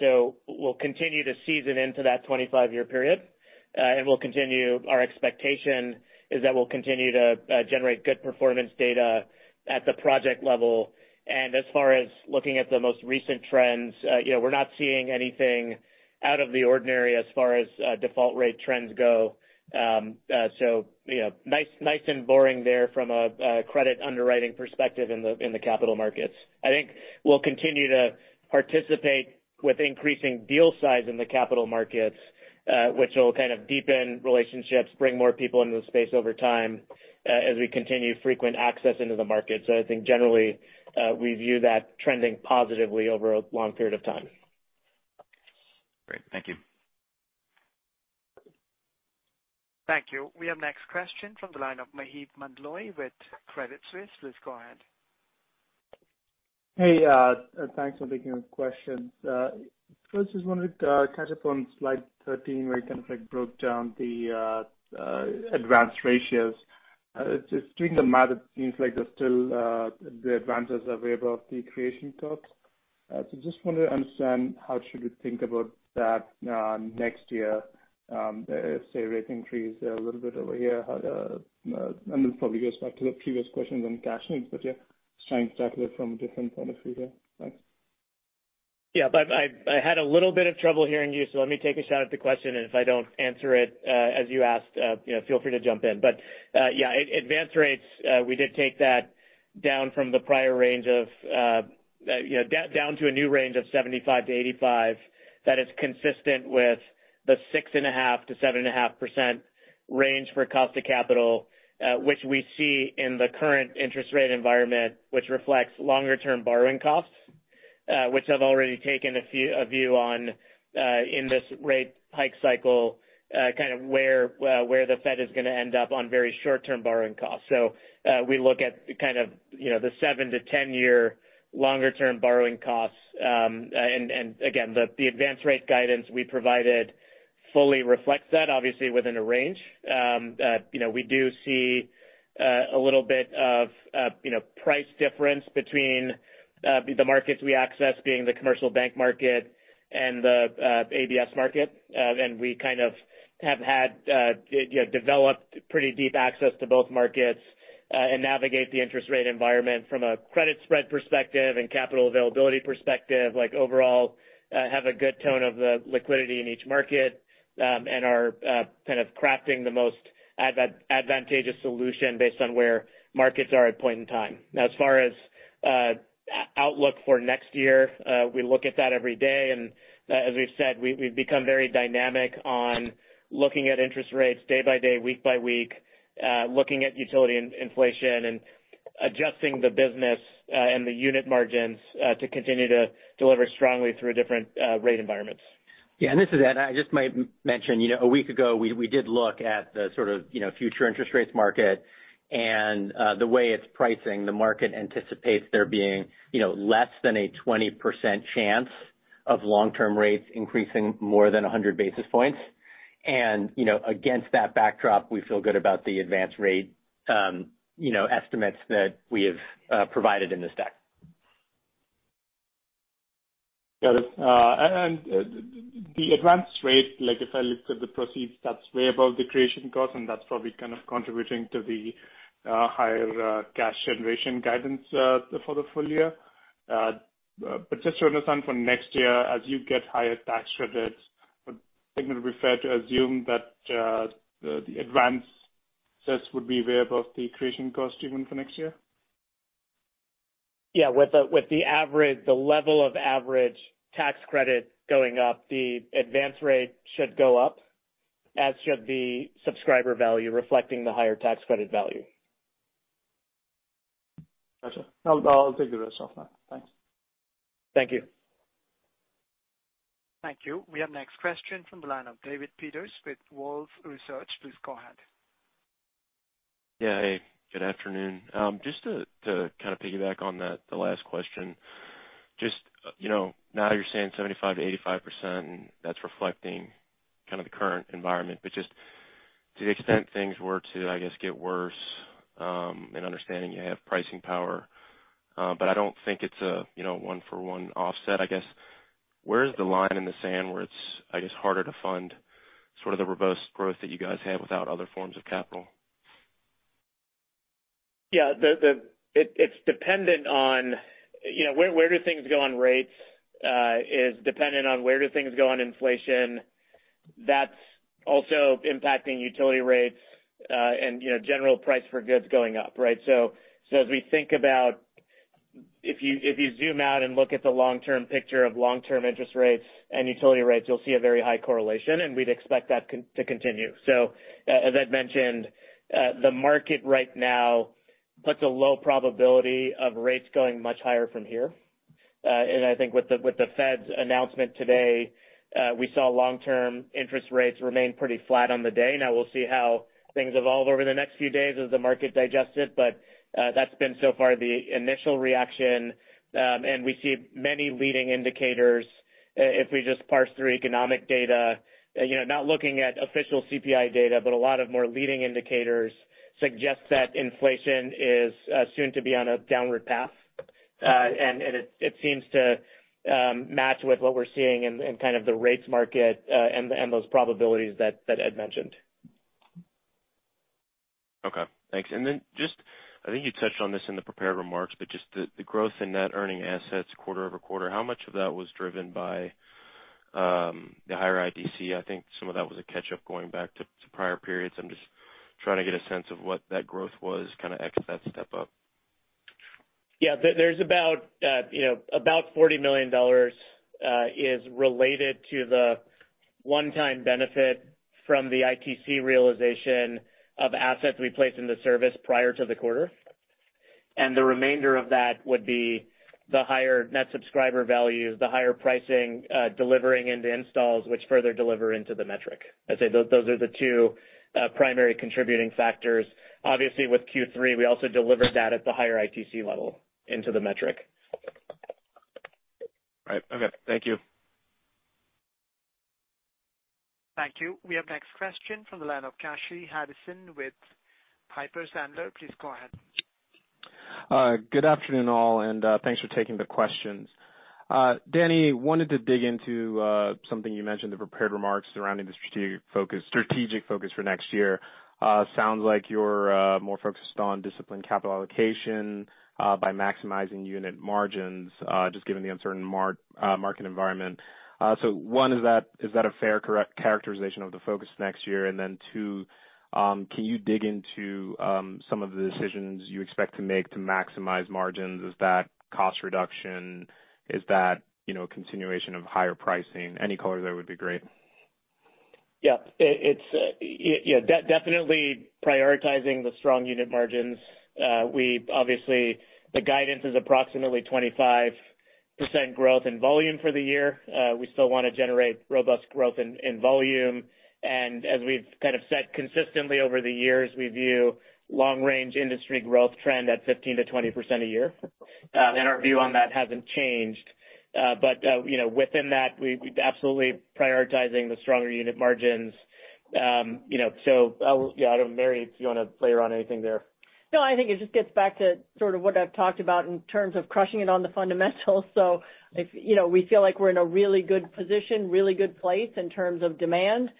So we'll continue to season into that 25-year period, and we'll continue. Our expectation is that we'll continue to generate good performance data at the project level. As far as looking at the most recent trends, you know, we're not seeing anything out of the ordinary as far as default rate trends go. You know, nice and boring there from a credit underwriting perspective in the capital markets. I think we'll continue to participate with increasing deal size in the capital markets, which will kind of deepen relationships, bring more people into the space over time, as we continue frequent access into the market. I think generally, we view that trending positively over a long period of time. Great. Thank you. Thank you. We have next question from the line of Maheep Mandloi with Credit Suisse. Please go ahead. Hey, thanks for taking the question. First just wanted to catch up on slide 13, where you kind of like broke down the advance rates. Just doing the math, it seems like they're still the advances are way above the creation cost. So just wanted to understand how should we think about that next year, if say rates increase a little bit over here. It probably goes back to the previous questions on cash links, but yeah, just trying to tackle it from a different point of view here. Thanks. Yeah, I had a little bit of trouble hearing you, so let me take a shot at the question, and if I don't answer it as you asked, you know, feel free to jump in. Yeah, advance rates, we did take that down from the prior range of, you know, down to a new range of 75-85 that is consistent with the 6.5%-7.5% range for cost of capital, which we see in the current interest rate environment, which reflects longer-term borrowing costs, which have already taken a view on in this rate hike cycle, kind of where the Fed is going to end up on very short-term borrowing costs. We look at kind of, you know, the 7-10 year longer-term borrowing costs, and again, the advance rate guidance we provided fully reflects that, obviously within a range. You know, we do see a little bit of, you know, price difference between the markets we access, being the commercial bank market and the ABS market. We kind of have had, you know, developed pretty deep access to both markets, and navigate the interest rate environment from a credit spread perspective and capital availability perspective. Like overall, have a good tone of the liquidity in each market, and are kind of crafting the most advantageous solution based on where markets are at point in time. Now as far as outlook for next year, we look at that every day, and as we've said, we've become very dynamic on looking at interest rates day by day, week by week, looking at utility inflation and adjusting the business, and the unit margins, to continue to deliver strongly through different rate environments. Yeah, this is Ed. I just might mention, you know, a week ago, we did look at the sort of, you know, future interest rates market and the way it's pricing. The market anticipates there being, you know, less than a 20% chance of long-term rates increasing more than 100 basis points. You know, against that backdrop, we feel good about the advance rate, you know, estimates that we have provided in this deck. Got it. The advance rate, like if I looked at the proceeds, that's way above the creation cost, and that's probably kind of contributing to the higher cash generation guidance for the full year. Just to understand for next year, as you get higher tax credits, would you assume that the advances would be way above the creation cost even for next year? Yeah. With the average tax credit going up, the advance rate should go up, as should the subscriber value reflecting the higher tax credit value. Gotcha. I'll take the rest off that. Thanks. Thank you. Thank you. We have next question from the line of David Peters with Wolfe Research. Please go ahead. Yeah. Hey, good afternoon. Just to kind of piggyback on that, the last question, just, you know, now you're saying 75%-85%, and that's reflecting kind of the current environment. Just to the extent things were to, I guess, get worse, and understanding you have pricing power, but I don't think it's a, you know, one for one offset. I guess, where is the line in the sand where it's, I guess, harder to fund sort of the robust growth that you guys have without other forms of capital? Yeah. It's dependent on, you know, where do things go on rates, is dependent on where do things go on inflation. That's also impacting utility rates, and, you know, general price for goods going up, right? As we think about if you zoom out and look at the long-term picture of long-term interest rates and utility rates, you'll see a very high correlation, and we'd expect that to continue. As Ed mentioned, the market right now puts a low probability of rates going much higher from here. I think with the Fed's announcement today, we saw long-term interest rates remain pretty flat on the day. Now we'll see how things evolve over the next few days as the market digests it, but that's been so far the initial reaction. We see many leading indicators, if we just parse through economic data, you know, not looking at official CPI data, but a lot more leading indicators suggest that inflation is soon to be on a downward path. It seems to match with what we're seeing in kind of the rates market, and those probabilities that Ed mentioned. Okay. Thanks. I think you touched on this in the prepared remarks, but just the growth in Net Earning Assets quarter-over-quarter, how much of that was driven by the higher IDC? I think some of that was a catch-up going back to prior periods. I'm just trying to get a sense of what that growth was kind of ex of that step up. Yeah. There's about, you know, $40 million is related to the one-time benefit from the ITC realization of assets we placed into service prior to the quarter. The remainder of that would be the higher net subscriber values, the higher pricing delivering into installs, which further deliver into the metric. I'd say those are the two primary contributing factors. Obviously, with Q3, we also delivered that at the higher ITC level into the metric. Right. Okay. Thank you. Thank you. We have next question from the line of Kashy Harrison with Piper Sandler. Please go ahead. Good afternoon, all, and thanks for taking the questions. Danny, wanted to dig into something you mentioned in the prepared remarks surrounding the strategic focus for next year. Sounds like you're more focused on disciplined capital allocation by maximizing unit margins just given the uncertain market environment. So one, is that a fair correct characterization of the focus next year? Then two, can you dig into some of the decisions you expect to make to maximize margins? Is that cost reduction? Is that, you know, continuation of higher pricing? Any color there would be great. Yeah. It's definitely prioritizing the strong unit margins. The guidance is approximately 25% growth in volume for the year. We still want to generate robust growth in volume. As we've kind of said consistently over the years, we view long-range industry growth trend at 15%-20% a year. Our view on that hasn't changed. You know, within that, we're absolutely prioritizing the stronger unit margins. You know, I don't know, Mary, if you want to play around anything there. No, I think it just gets back to sort of what I've talked about in terms of crushing it on the fundamentals. If you know we feel like we're in a really good position, really good place in terms of demand,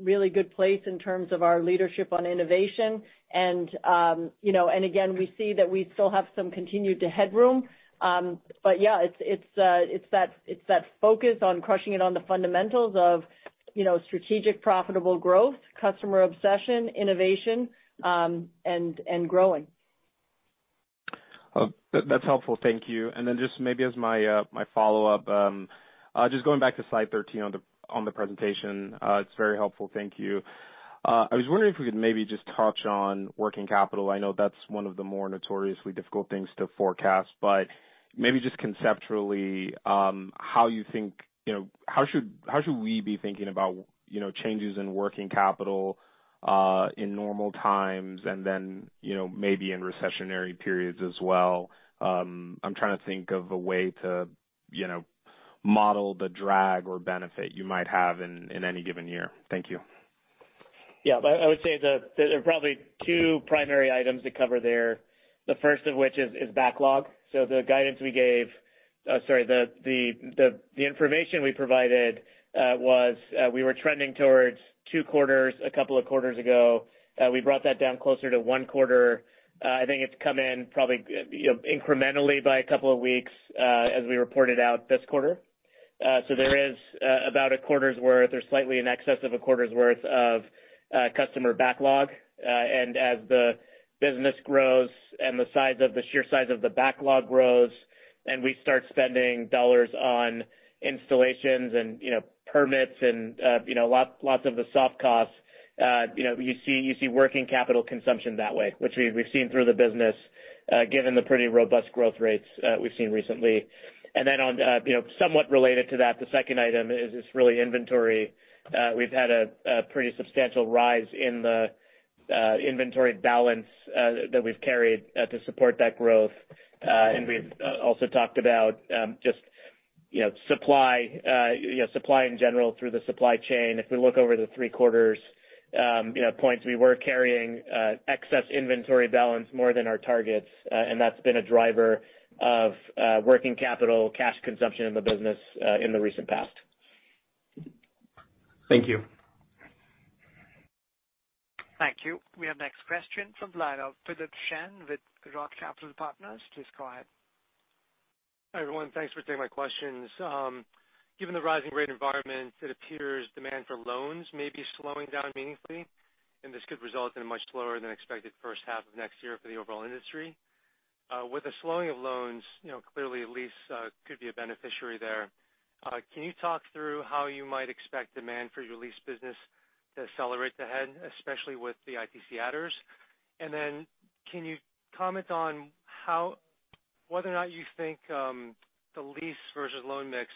really good place in terms of our leadership on innovation. You know, and again, we see that we still have some continued headroom. Yeah, it's that focus on crushing it on the fundamentals of, you know, strategic profitable growth, customer obsession, innovation, and growing. That's helpful. Thank you. Just maybe as my follow-up, just going back to slide 13 on the presentation. It's very helpful. Thank you. I was wondering if we could maybe just touch on working capital. I know that's one of the more notoriously difficult things to forecast, but maybe just conceptually, how you think, you know, how should we be thinking about, you know, changes in working capital in normal times and then, you know, maybe in recessionary periods as well? I'm trying to think of a way to, you know, model the drag or benefit you might have in any given year. Thank you. Yeah. I would say there are probably two primary items to cover there. The first of which is backlog. The information we provided was we were trending towards two quarters a couple of quarters ago. We brought that down closer to one quarter. I think it's come in probably, you know, incrementally by a couple of weeks as we reported out this quarter. There is about a quarter's worth or slightly in excess of a quarter's worth of customer backlog. As the business grows and the sheer size of the backlog grows and we start spending dollars on installations and, you know, permits and, you know, lots of the soft costs, you know, you see working capital consumption that way, which we've seen through the business, given the pretty robust growth rates we've seen recently. Then, on somewhat related to that, the second item is really inventory. We've had a pretty substantial rise in the inventory balance that we've carried to support that growth. And we've also talked about just, you know, supply in general through the supply chain. If we look over the three quarters, you know, point is, we were carrying excess inventory balance more than our targets, and that's been a driver of working capital cash consumption in the business in the recent past. Thank you. Thank you. We have next question from the line of Philip Shen with ROTH Capital Partners. Please go ahead. Hi, everyone. Thanks for taking my questions. Given the rising rate environment, it appears demand for loans may be slowing down meaningfully, and this could result in a much lower than expected first half of next year for the overall industry. With the slowing of loans, you know, clearly a lease could be a beneficiary there. Can you talk through how you might expect demand for your lease business to accelerate ahead, especially with the ITC adders? And then can you comment on whether or not you think the lease versus loan mix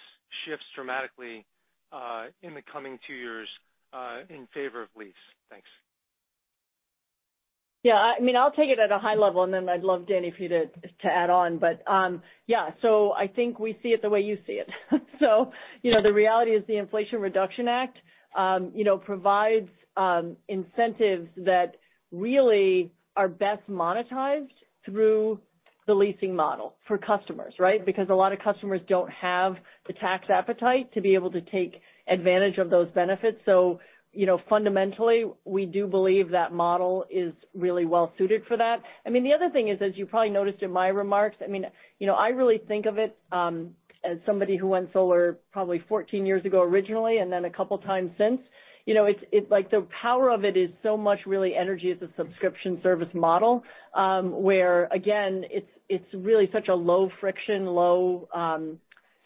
shifts dramatically in the coming two years in favor of lease? Thanks. Yeah, I mean, I'll take it at a high-level, and then I'd love, Danny, for you to add on. Yeah, so I think we see it the way you see it. You know, the reality is the Inflation Reduction Act provides incentives that really are best monetized through the leasing model for customers, right? Because a lot of customers don't have the tax appetite to be able to take advantage of those benefits. You know, fundamentally, we do believe that model is really well suited for that. I mean, the other thing is, as you probably noticed in my remarks, I mean, you know, I really think of it as somebody who went solar probably 14 years ago originally and then a couple times since. You know, it's like the power of it is so much really energy as a subscription service model, where again, it's really such a low friction, low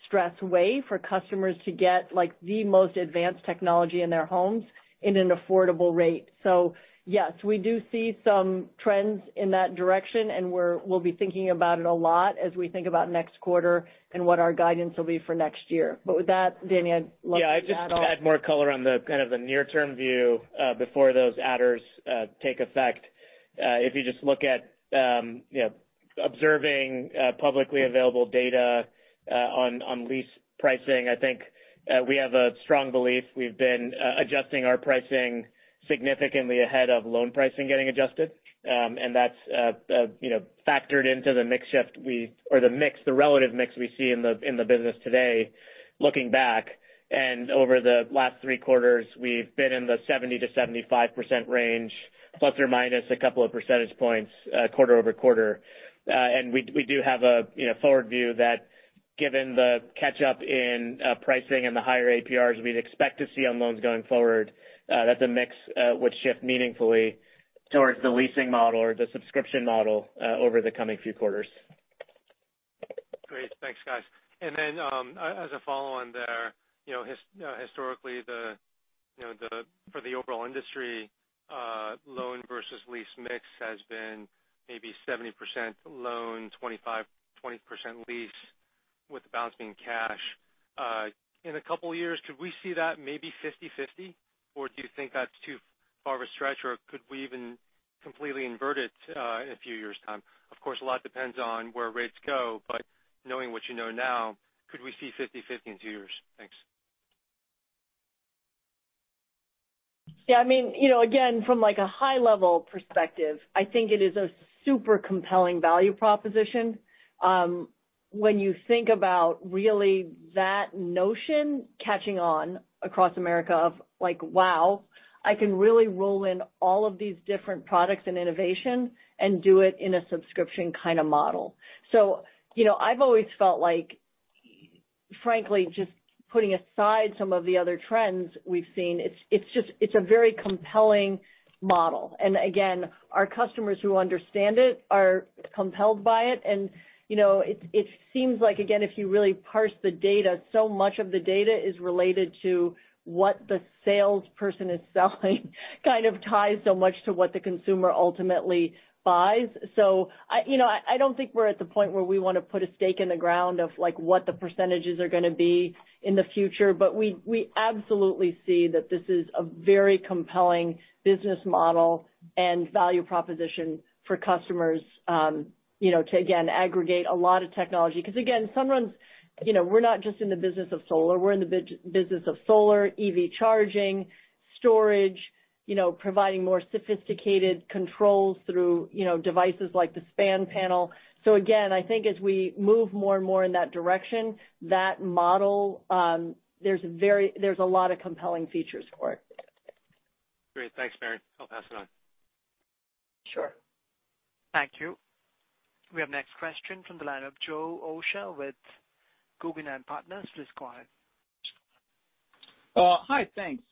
stress way for customers to get, like, the most advanced technology in their homes in an affordable rate. So yes, we do see some trends in that direction, and we'll be thinking about it a lot as we think about next quarter and what our guidance will be for next year. With that, Danny, I'd love for you to add on. Yeah, I'd just add more color on the kind of the near-term view before those adders take effect. If you just look at, you know, observing publicly available data on lease pricing, I think we have a strong belief. We've been adjusting our pricing significantly ahead of loan pricing getting adjusted, and that's, you know, factored into the mix, the relative mix we see in the business today looking back. Over the last three quarters, we've been in the 70-75% range plus or minus a couple of percentage points quarter-over-quarter. We do have a, you know, forward view that given the catch up in pricing and the higher APRs we'd expect to see on loans going forward, that the mix would shift meaningfully towards the leasing model or the subscription model over the coming few quarters. Great. Thanks, guys. As a follow on there, you know, historically, for the overall industry, loan versus lease mix has been maybe 70% loan, 20% lease with the balance being cash. In a couple years, could we see that maybe 50/50? Or do you think that's too far of a stretch? Or could we even completely invert it, in a few years' time? Of course, a lot depends on where rates go, but knowing what you know now, could we see 50/50 in two years? Thanks. Yeah, I mean, you know, again, from like a high-level perspective, I think it is a super compelling value proposition. When you think about really that notion catching on across America of like, wow, I can really roll in all of these different products and innovation and do it in a subscription kind of model. You know, I've always felt like, frankly, just putting aside some of the other trends we've seen, it's just, it's a very compelling model. Again, our customers who understand it are compelled by it. You know, it seems like, again, if you really parse the data, so much of the data is related to what the salesperson is selling, kind of ties so much to what the consumer ultimately buys. I don't think we're at the point where we want to put a stake in the ground of like what the percentages are going to be in the future. But we absolutely see that this is a very compelling business model and value proposition for customers, you know, to again, aggregate a lot of technology. 'Cause again, Sunrun's, you know, we're not just in the business of solar. We're in the business of solar, EV charging, storage, you know, providing more sophisticated controls through, you know, devices like the SPAN Panel. I think as we move more and more in that direction, that model, there's a lot of compelling features for it. Great. Thanks, Mary. I'll pass it on. Sure. Thank you. We have next question from the line of Joseph Osha with Guggenheim Securities. Please go ahead. Hi. Thanks.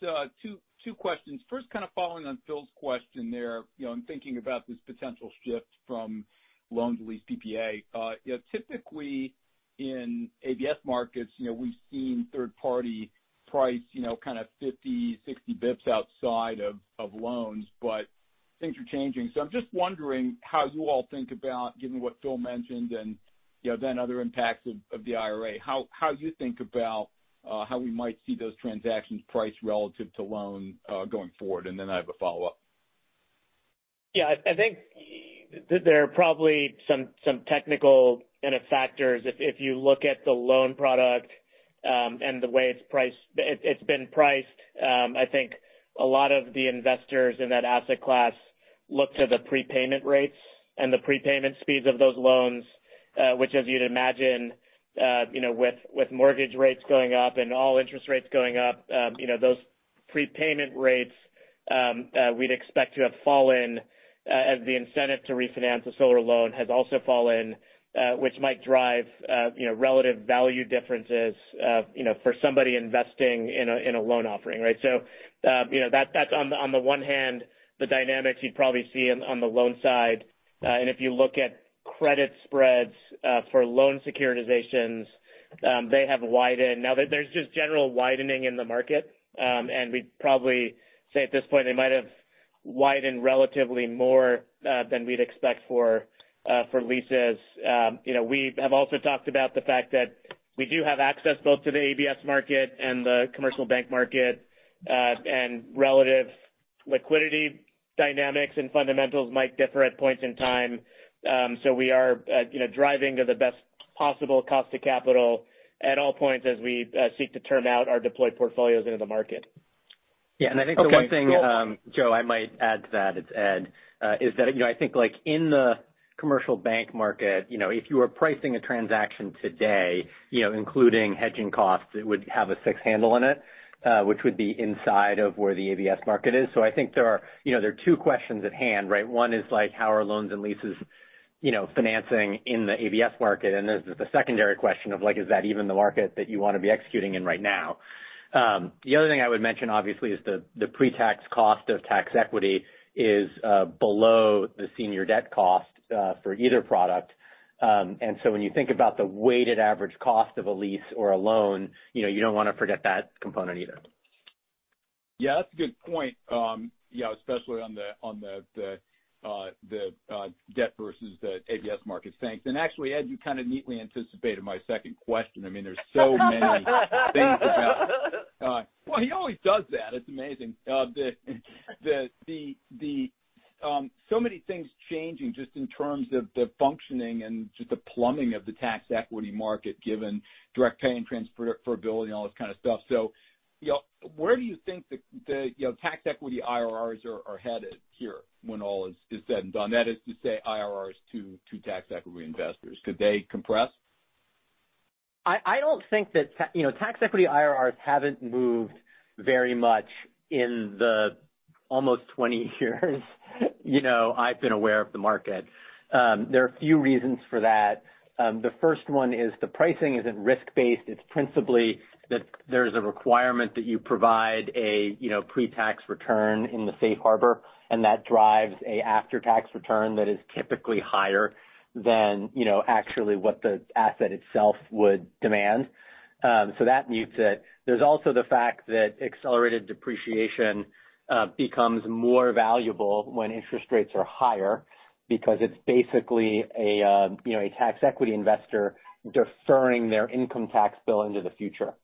Two questions. First, kind of following on Phil's question there, you know, in thinking about this potential shift from loan to lease PPA. You know, typically in ABS markets, you know, we've seen third party price, you know, kind of 50-60 basis points outside of loans, but things are changing. I'm just wondering how you all think about, given what Phil mentioned and, you know, then other impacts of the IRA, how do you think about how we might see those transactions price relative to loan going forward? And then I have a follow-up. Yeah, I think there are probably some technical kind of factors. If you look at the loan product and the way it's priced, it's been priced. I think a lot of the investors in that asset class look to the prepayment rates and the prepayment speeds of those loans, which as you'd imagine, you know, with mortgage rates going up and all interest rates going up, you know, those prepayment rates, we'd expect to have fallen, as the incentive to refinance a solar loan has also fallen, which might drive, you know, relative value differences, you know, for somebody investing in a loan offering, right? So, you know, that's on the one hand, the dynamics you'd probably see on the loan side. If you look at credit spreads for loan securitizations, they have widened. Now there's just general widening in the market, and we'd probably say at this point they might have widened relatively more than we'd expect for leases. You know, we have also talked about the fact that we do have access both to the ABS market and the commercial bank market, and relative liquidity dynamics and fundamentals might differ at points in time. We are, you know, driving to the best possible cost of capital at all points as we seek to turn out our deployed portfolios into the market. Yeah. I think the one thing, Joe, I might add to that, it's Ed, is that, you know, I think like in the commercial bank market, you know, if you were pricing a transaction today, you know, including hedging costs, it would have a six handle in it, which would be inside of where the ABS market is. I think there are, you know, there are two questions at hand, right? One is like, how are loans and leases, you know, financing in the ABS market? There's the secondary question of like, is that even the market that you want to be executing in right now? The other thing I would mention obviously is the pre-tax cost of tax equity is below the senior debt cost for either product. When you think about the weighted average cost of a lease or a loan, you know, you don't want to forget that component either. Yeah, that's a good point. Yeah, especially on the debt versus the ABS market. Thanks. Actually, Ed, you kind of neatly anticipated my second question. I mean, so many things changing just in terms of the functioning and just the plumbing of the tax equity market given direct pay and transferability and all this kind of stuff. Well, he always does that. It's amazing. You know, where do you think the tax equity IRRs are headed here when all is said and done? That is to say IRRs to tax equity investors. Could they compress? I don't think that. You know, tax equity IRRs haven't moved very much in the almost 20 years, you know, I've been aware of the market. There are a few reasons for that. The first one is the pricing isn't risk-based. It's principally that there's a requirement that you provide a, you know, pre-tax return in the safe harbor, and that drives an after-tax return that is typically higher than, you know, actually what the asset itself would demand. So that mutes it. There's also the fact that accelerated depreciation becomes more valuable when interest rates are higher because it's basically a, you know, a tax equity investor deferring their income tax bill into the future.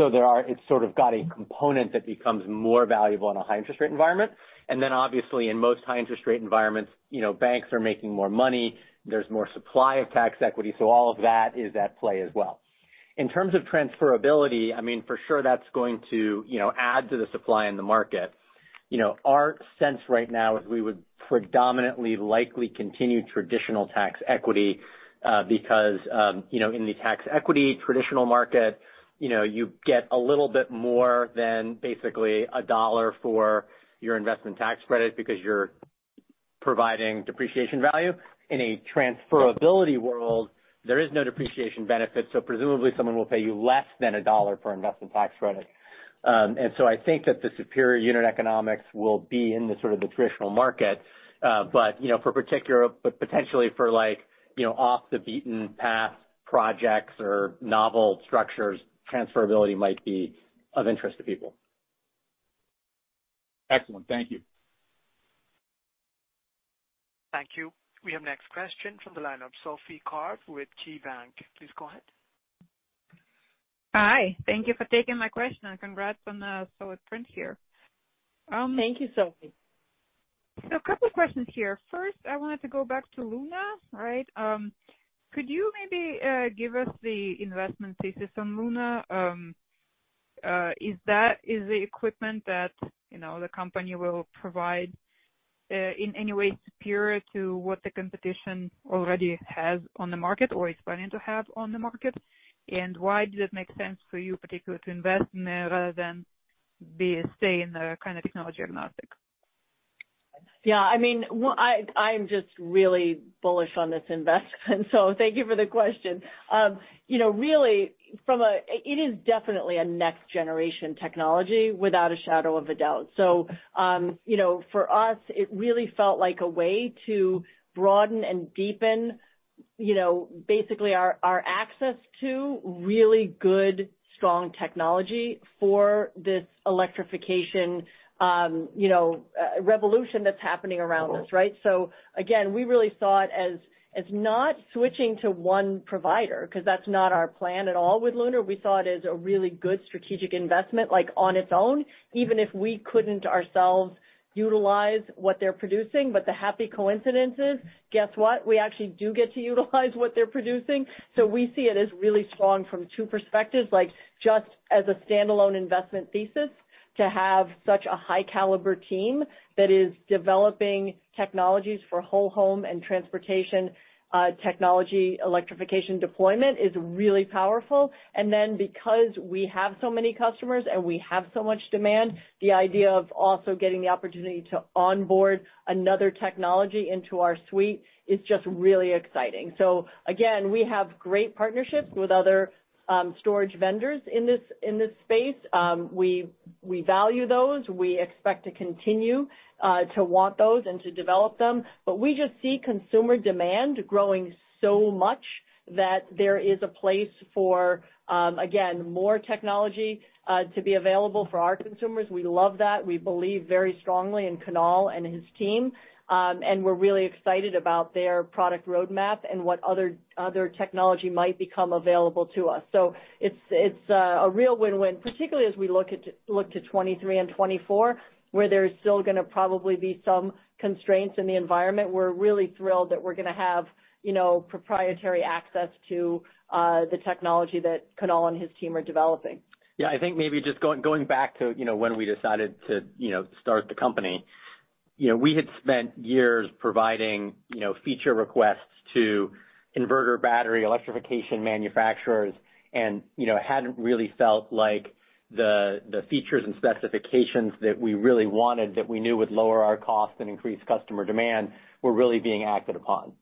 It's sort of got a component that becomes more valuable in a high interest rate environment. Obviously in most high interest rate environments, you know, banks are making more money. There's more supply of tax equity. All of that is at play as well. In terms of transferability, I mean, for sure that's going to, you know, add to the supply in the market. You know, our sense right now is we would predominantly likely continue traditional tax equity, because, you know, in the tax equity traditional market, you know, you get a little bit more than basically $1 for your investment tax credit because you're providing depreciation value. In a transferability world, there is no depreciation benefit, so presumably someone will pay you less than $1 for investment tax credit. I think that the superior unit economics will be in sort of the traditional market, but you know, potentially for like, you know, off the beaten path projects or novel structures, transferability might be of interest to people. Excellent. Thank you. Thank you. We have next question from the line of Sophie Karp with KeyBank. Please go ahead. Hi. Thank you for taking my question, and congrats on the solid print here. Thank you, Sophie. A couple of questions here. First, I wanted to go back to Lunar, right? Could you maybe give us the investment thesis on Lunar? Is the equipment that, you know, the company will provide in any way superior to what the competition already has on the market or is planning to have on the market? Why does it make sense for you particularly to invest in it rather than stay in the kind of technology agnostic? Yeah, I mean, I'm just really bullish on this investment, so thank you for the question. You know, it is definitely a next generation technology without a shadow of a doubt. You know, for us, it really felt like a way to broaden and deepen, you know, basically our access to really good, strong technology for this electrification revolution that's happening around us, right? Again, we really saw it as not switching to one provider because that's not our plan at all with Lunar. We saw it as a really good strategic investment, like on its own, even if we couldn't ourselves utilize what they're producing. The happy coincidence is, guess what? We actually do get to utilize what they're producing. We see it as really strong from two perspectives, like just as a standalone investment thesis. To have such a high caliber team that is developing technologies for whole home and transportation technology electrification deployment is really powerful. Then because we have so many customers and we have so much demand, the idea of also getting the opportunity to onboard another technology into our suite is just really exciting. Again, we have great partnerships with other storage vendors in this space. We value those. We expect to continue to want those and to develop them. We just see consumer demand growing so much that there is a place for again, more technology to be available for our consumers. We love that. We believe very strongly in Kunal and his team, and we're really excited about their product roadmap and what other technology might become available to us. It's a real win-win, particularly as we look to 2023 and 2024, where there's still going to probably be some constraints in the environment. We're really thrilled that we're going to have, you know, proprietary access to the technology that Kunal and his team are developing. Yeah. I think maybe just going back to, you know, when we decided to, you know, start the company. You know, we had spent years providing, you know, feature requests to inverter battery electrification manufacturers and, you know, hadn't really felt like the features and specifications that we really wanted that we knew would lower our cost and increase customer demand were really being acted upon.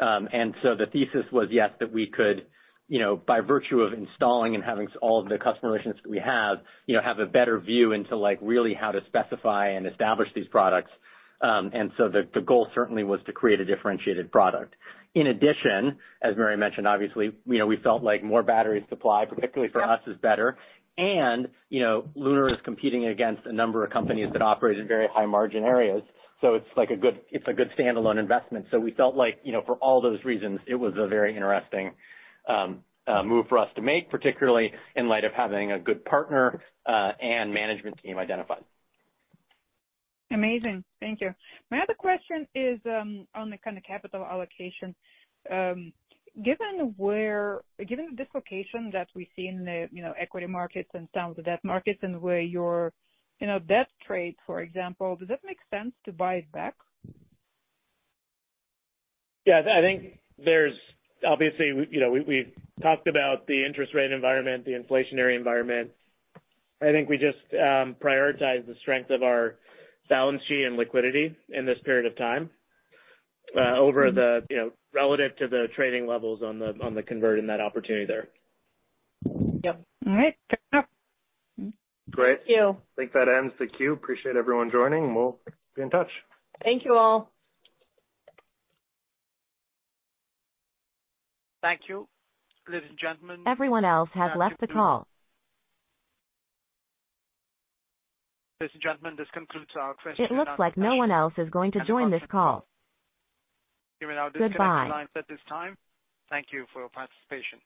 The thesis was, yes, that we could, you know, by virtue of installing and having all of the customer relations that we have, you know, have a better view into like really how to specify and establish these products. The goal certainly was to create a differentiated product. In addition, as Mary mentioned, obviously, you know, we felt like more battery supply, particularly for us, is better. You know, Lunar is competing against a number of companies that operate in very high margin areas, so it's like a good standalone investment. We felt like, you know, for all those reasons, it was a very interesting move for us to make, particularly in light of having a good partner and management team identified. Amazing. Thank you. My other question is on the kind of capital allocation. Given the dislocation that we see in the, you know, equity markets and some of the debt markets and where your, you know, debt trade, for example, does it make sense to buy it back? I think obviously we've talked about the interest rate environment, the inflationary environment. I think we just prioritize the strength of our balance sheet and liquidity in this period of time over, you know, relative to the trading levels on the convert and that opportunity there. Yep. All right. Fair enough. Great. Thank you. I think that ends the queue. Appreciate everyone joining, and we'll be in touch. Thank you all. Thank you. Ladies and gentlemen. Everyone else has left the call. Ladies and gentlemen, this concludes our Q&A session. It looks like no one else is going to join this call. Goodbye. You may now disconnect your lines at this time. Thank you for your participation.